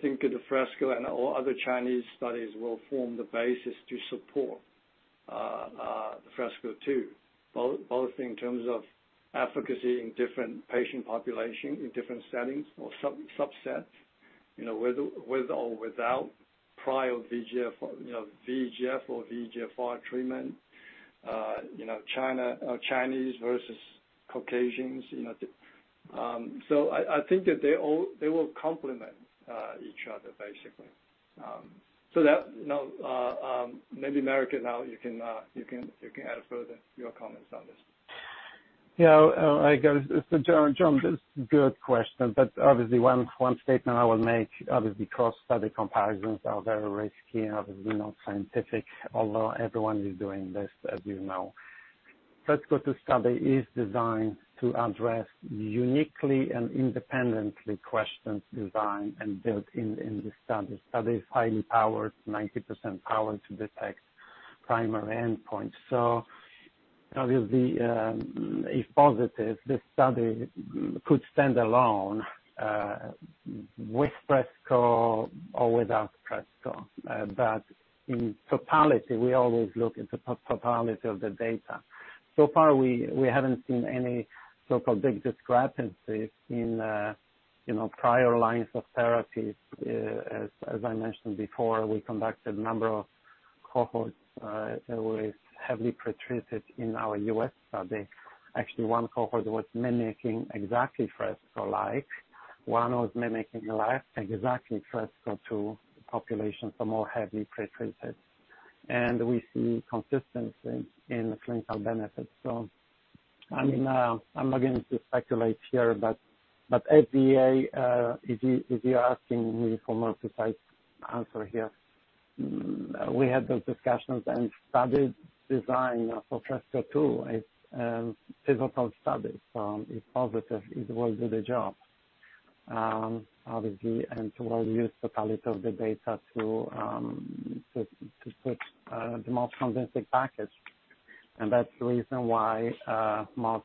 Speaker 3: think the FRESCO and all other Chinese studies will form the basis to support the FRESCO-2, both in terms of efficacy in different patient population, in different settings or subsets. You know, with or without prior VEGF, you know, VEGF or VEGF treatment. You know, China or Chinese versus Caucasians, you know. I think that they will complement each other basically. That you know, maybe Marek now you can add further your comments on this.
Speaker 5: Yeah. I guess it's a good question, John, but obviously one statement I will make, obviously, cross-study comparisons are very risky and obviously not scientific, although everyone is doing this as you know. FRESCO-2 study is designed to address uniquely and independently questions designed and built in the study. Study is highly powered, 90% power to detect primary endpoint. Obviously, if positive, this study could stand alone with FRESCO or without FRESCO. But in totality, we always look at the totality of the data. So far we haven't seen any sort of big discrepancies in you know, prior lines of therapy. As I mentioned before, we conducted a number of cohorts with heavily pretreated in our US study. Actually, one cohort was mimicking exactly FRESCO-like. One was mimicking like exactly FRESCO-2 populations for more heavily pretreated. We see consistency in the clinical benefits. I mean, I'm not going to speculate here, but FDA, if you're asking me for more precise answer here, we had those discussions and study design for FRESCO-2 is, pivotal study. If positive, it will do the job, obviously, and we'll use totality of the data to put the most convincing package. That's the reason why, most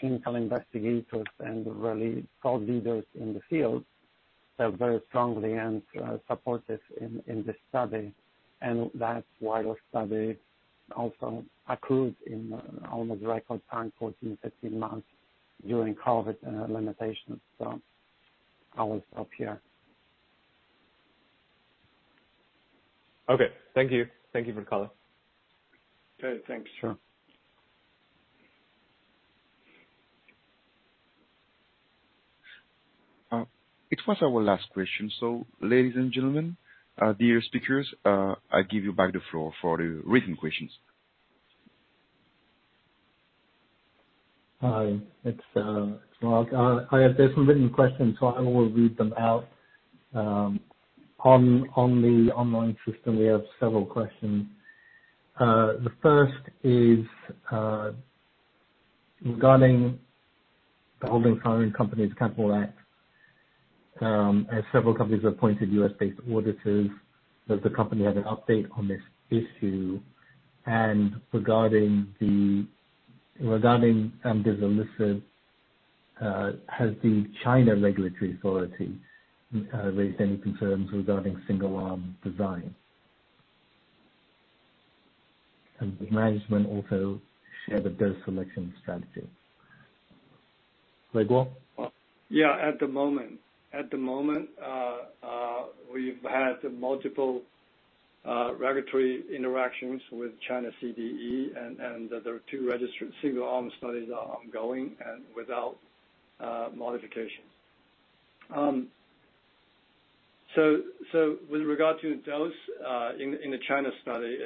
Speaker 5: clinical investigators and really thought leaders in the field are very strongly supportive of this study. That's why the study also accrued in almost record time, 14, 15 months during COVID limitations. I will stop here.
Speaker 1: Okay. Thank you. Thank you for the call.
Speaker 3: Okay, thanks.
Speaker 5: Sure.
Speaker 1: It was our last question. Ladies and gentlemen, dear speakers, I give you back the floor for the written questions.
Speaker 2: Hi, it's Mark. I have some written questions, so I will read them out. On the online system we have several questions. The first is regarding the Holding Foreign Companies Accountable Act, as several companies have appointed U.S.-based auditors, does the company have an update on this issue? Regarding amdizalisib, has the China regulatory authority raised any concerns regarding single arm design? Would management also share the dose selection strategy? Weiguo?
Speaker 3: Yeah. At the moment, we've had multiple regulatory interactions with China CDE and the two registered single arm studies are ongoing and without modification. With regard to dose in the China study,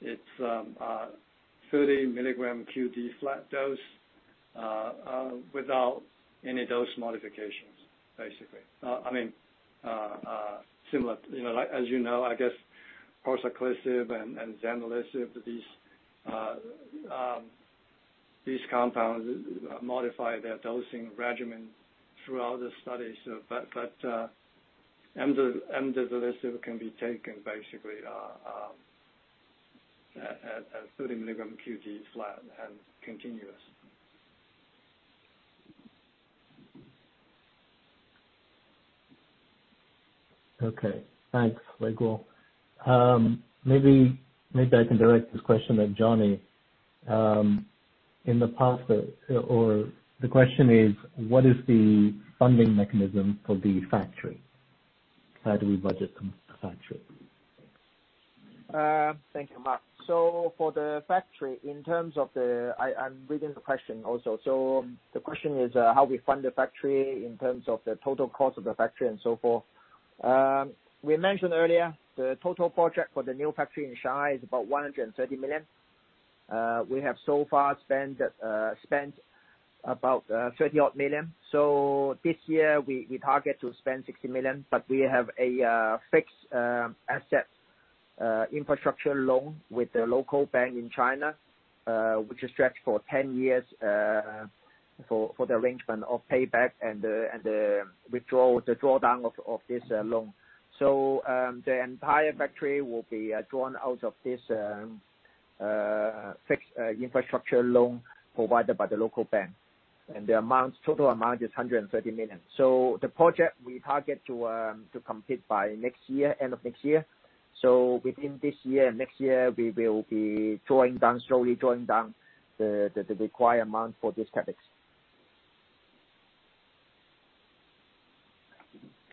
Speaker 3: it's 30 mg QD flat dose without any dose modifications, basically. I mean similar. You know, like, as you know, I guess parsaclisib and zanubrutinib, these compounds modify their dosing regimen throughout the study. Amdizalisib can be taken basically at 30 mg QD flat and continuous.
Speaker 2: Okay. Thanks, Weiguo. Maybe I can direct this question at Johnny. In the past or the question is, what is the funding mechanism for the factory? How do we budget a factory?
Speaker 6: Thank you, Mark. For the factory, in terms of, I'm reading the question also. The question is, how we fund the factory in terms of the total cost of the factory and so forth. We mentioned earlier, the total project for the new factory in Shanghai is about $130 million. We have so far spent about $30-odd million. This year we target to spend $60 million, but we have a fixed asset infrastructure loan with the local bank in China, which is structured for 10 years, for the arrangement of payback and the drawdown of this loan. The entire factory will be drawn out of this fixed infrastructure loan provided by the local bank. The total amount is $130 million. The project we target to complete by next year, end of next year. Within this year and next year we will be drawing down, slowly drawing down the required amount for this CapEx.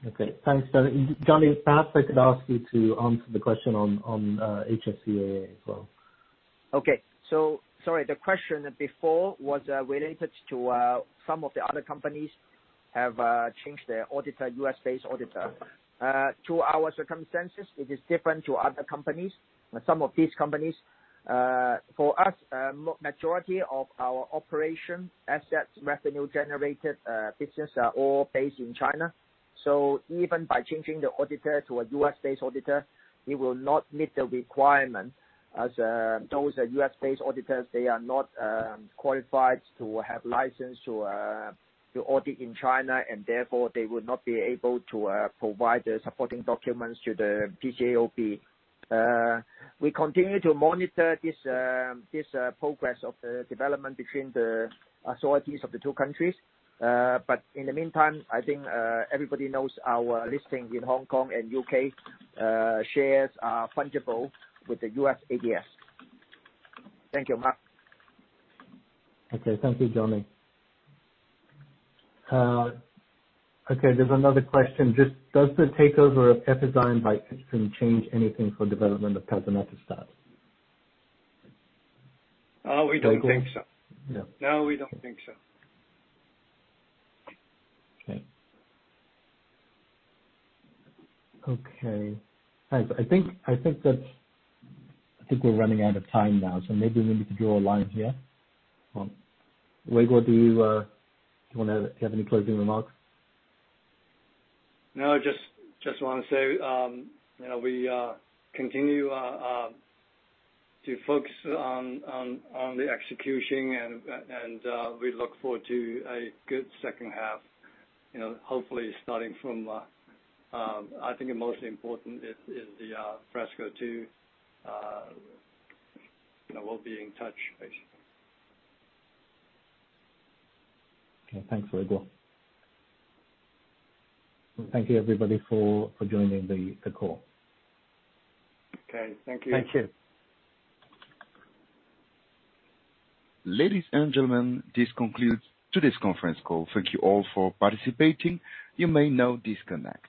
Speaker 2: Okay, thanks. Johnny, perhaps I could ask you to answer the question on HFCAA as well.
Speaker 6: Sorry, the question before was related to some of the other companies have changed their auditor, U.S.-based auditor.
Speaker 2: Okay.
Speaker 6: To our circumstances, it is different to other companies and some of these companies. For us, majority of our operation assets, revenue generated, business are all based in China. Even by changing the auditor to a U.S.-based auditor, we will not meet the requirement as those are U.S.-based auditors, they are not qualified to have license to audit in China, and therefore they would not be able to provide the supporting documents to the PCAOB. We continue to monitor this progress of the development between the authorities of the two countries. In the meantime, I think everybody knows our listings in Hong Kong and U.K. shares are fungible with the U.S. ADS. Thank you, Mark.
Speaker 2: Okay, thank you, Johnny. Okay, there's another question. Just, does the takeover of Epizyme by Ipsen change anything for development of tazemetostat?
Speaker 3: We don't think so.
Speaker 2: Yeah.
Speaker 3: No, we don't think so.
Speaker 2: Okay. Thanks. I think that's. I think we're running out of time now, so maybe we need to draw a line here. Well, Weiguo, do you have any closing remarks?
Speaker 3: No, just wanna say, you know, we continue to focus on the execution and we look forward to a good second half, you know, hopefully starting from, I think the most important is the FRESCO-2. You know, we'll be in touch basically.
Speaker 2: Okay. Thanks, Weiguo. Thank you everybody for joining the call.
Speaker 3: Okay. Thank you.
Speaker 6: Thank you.
Speaker 1: Ladies and gentlemen, this concludes today's conference call. Thank you all for participating. You may now disconnect.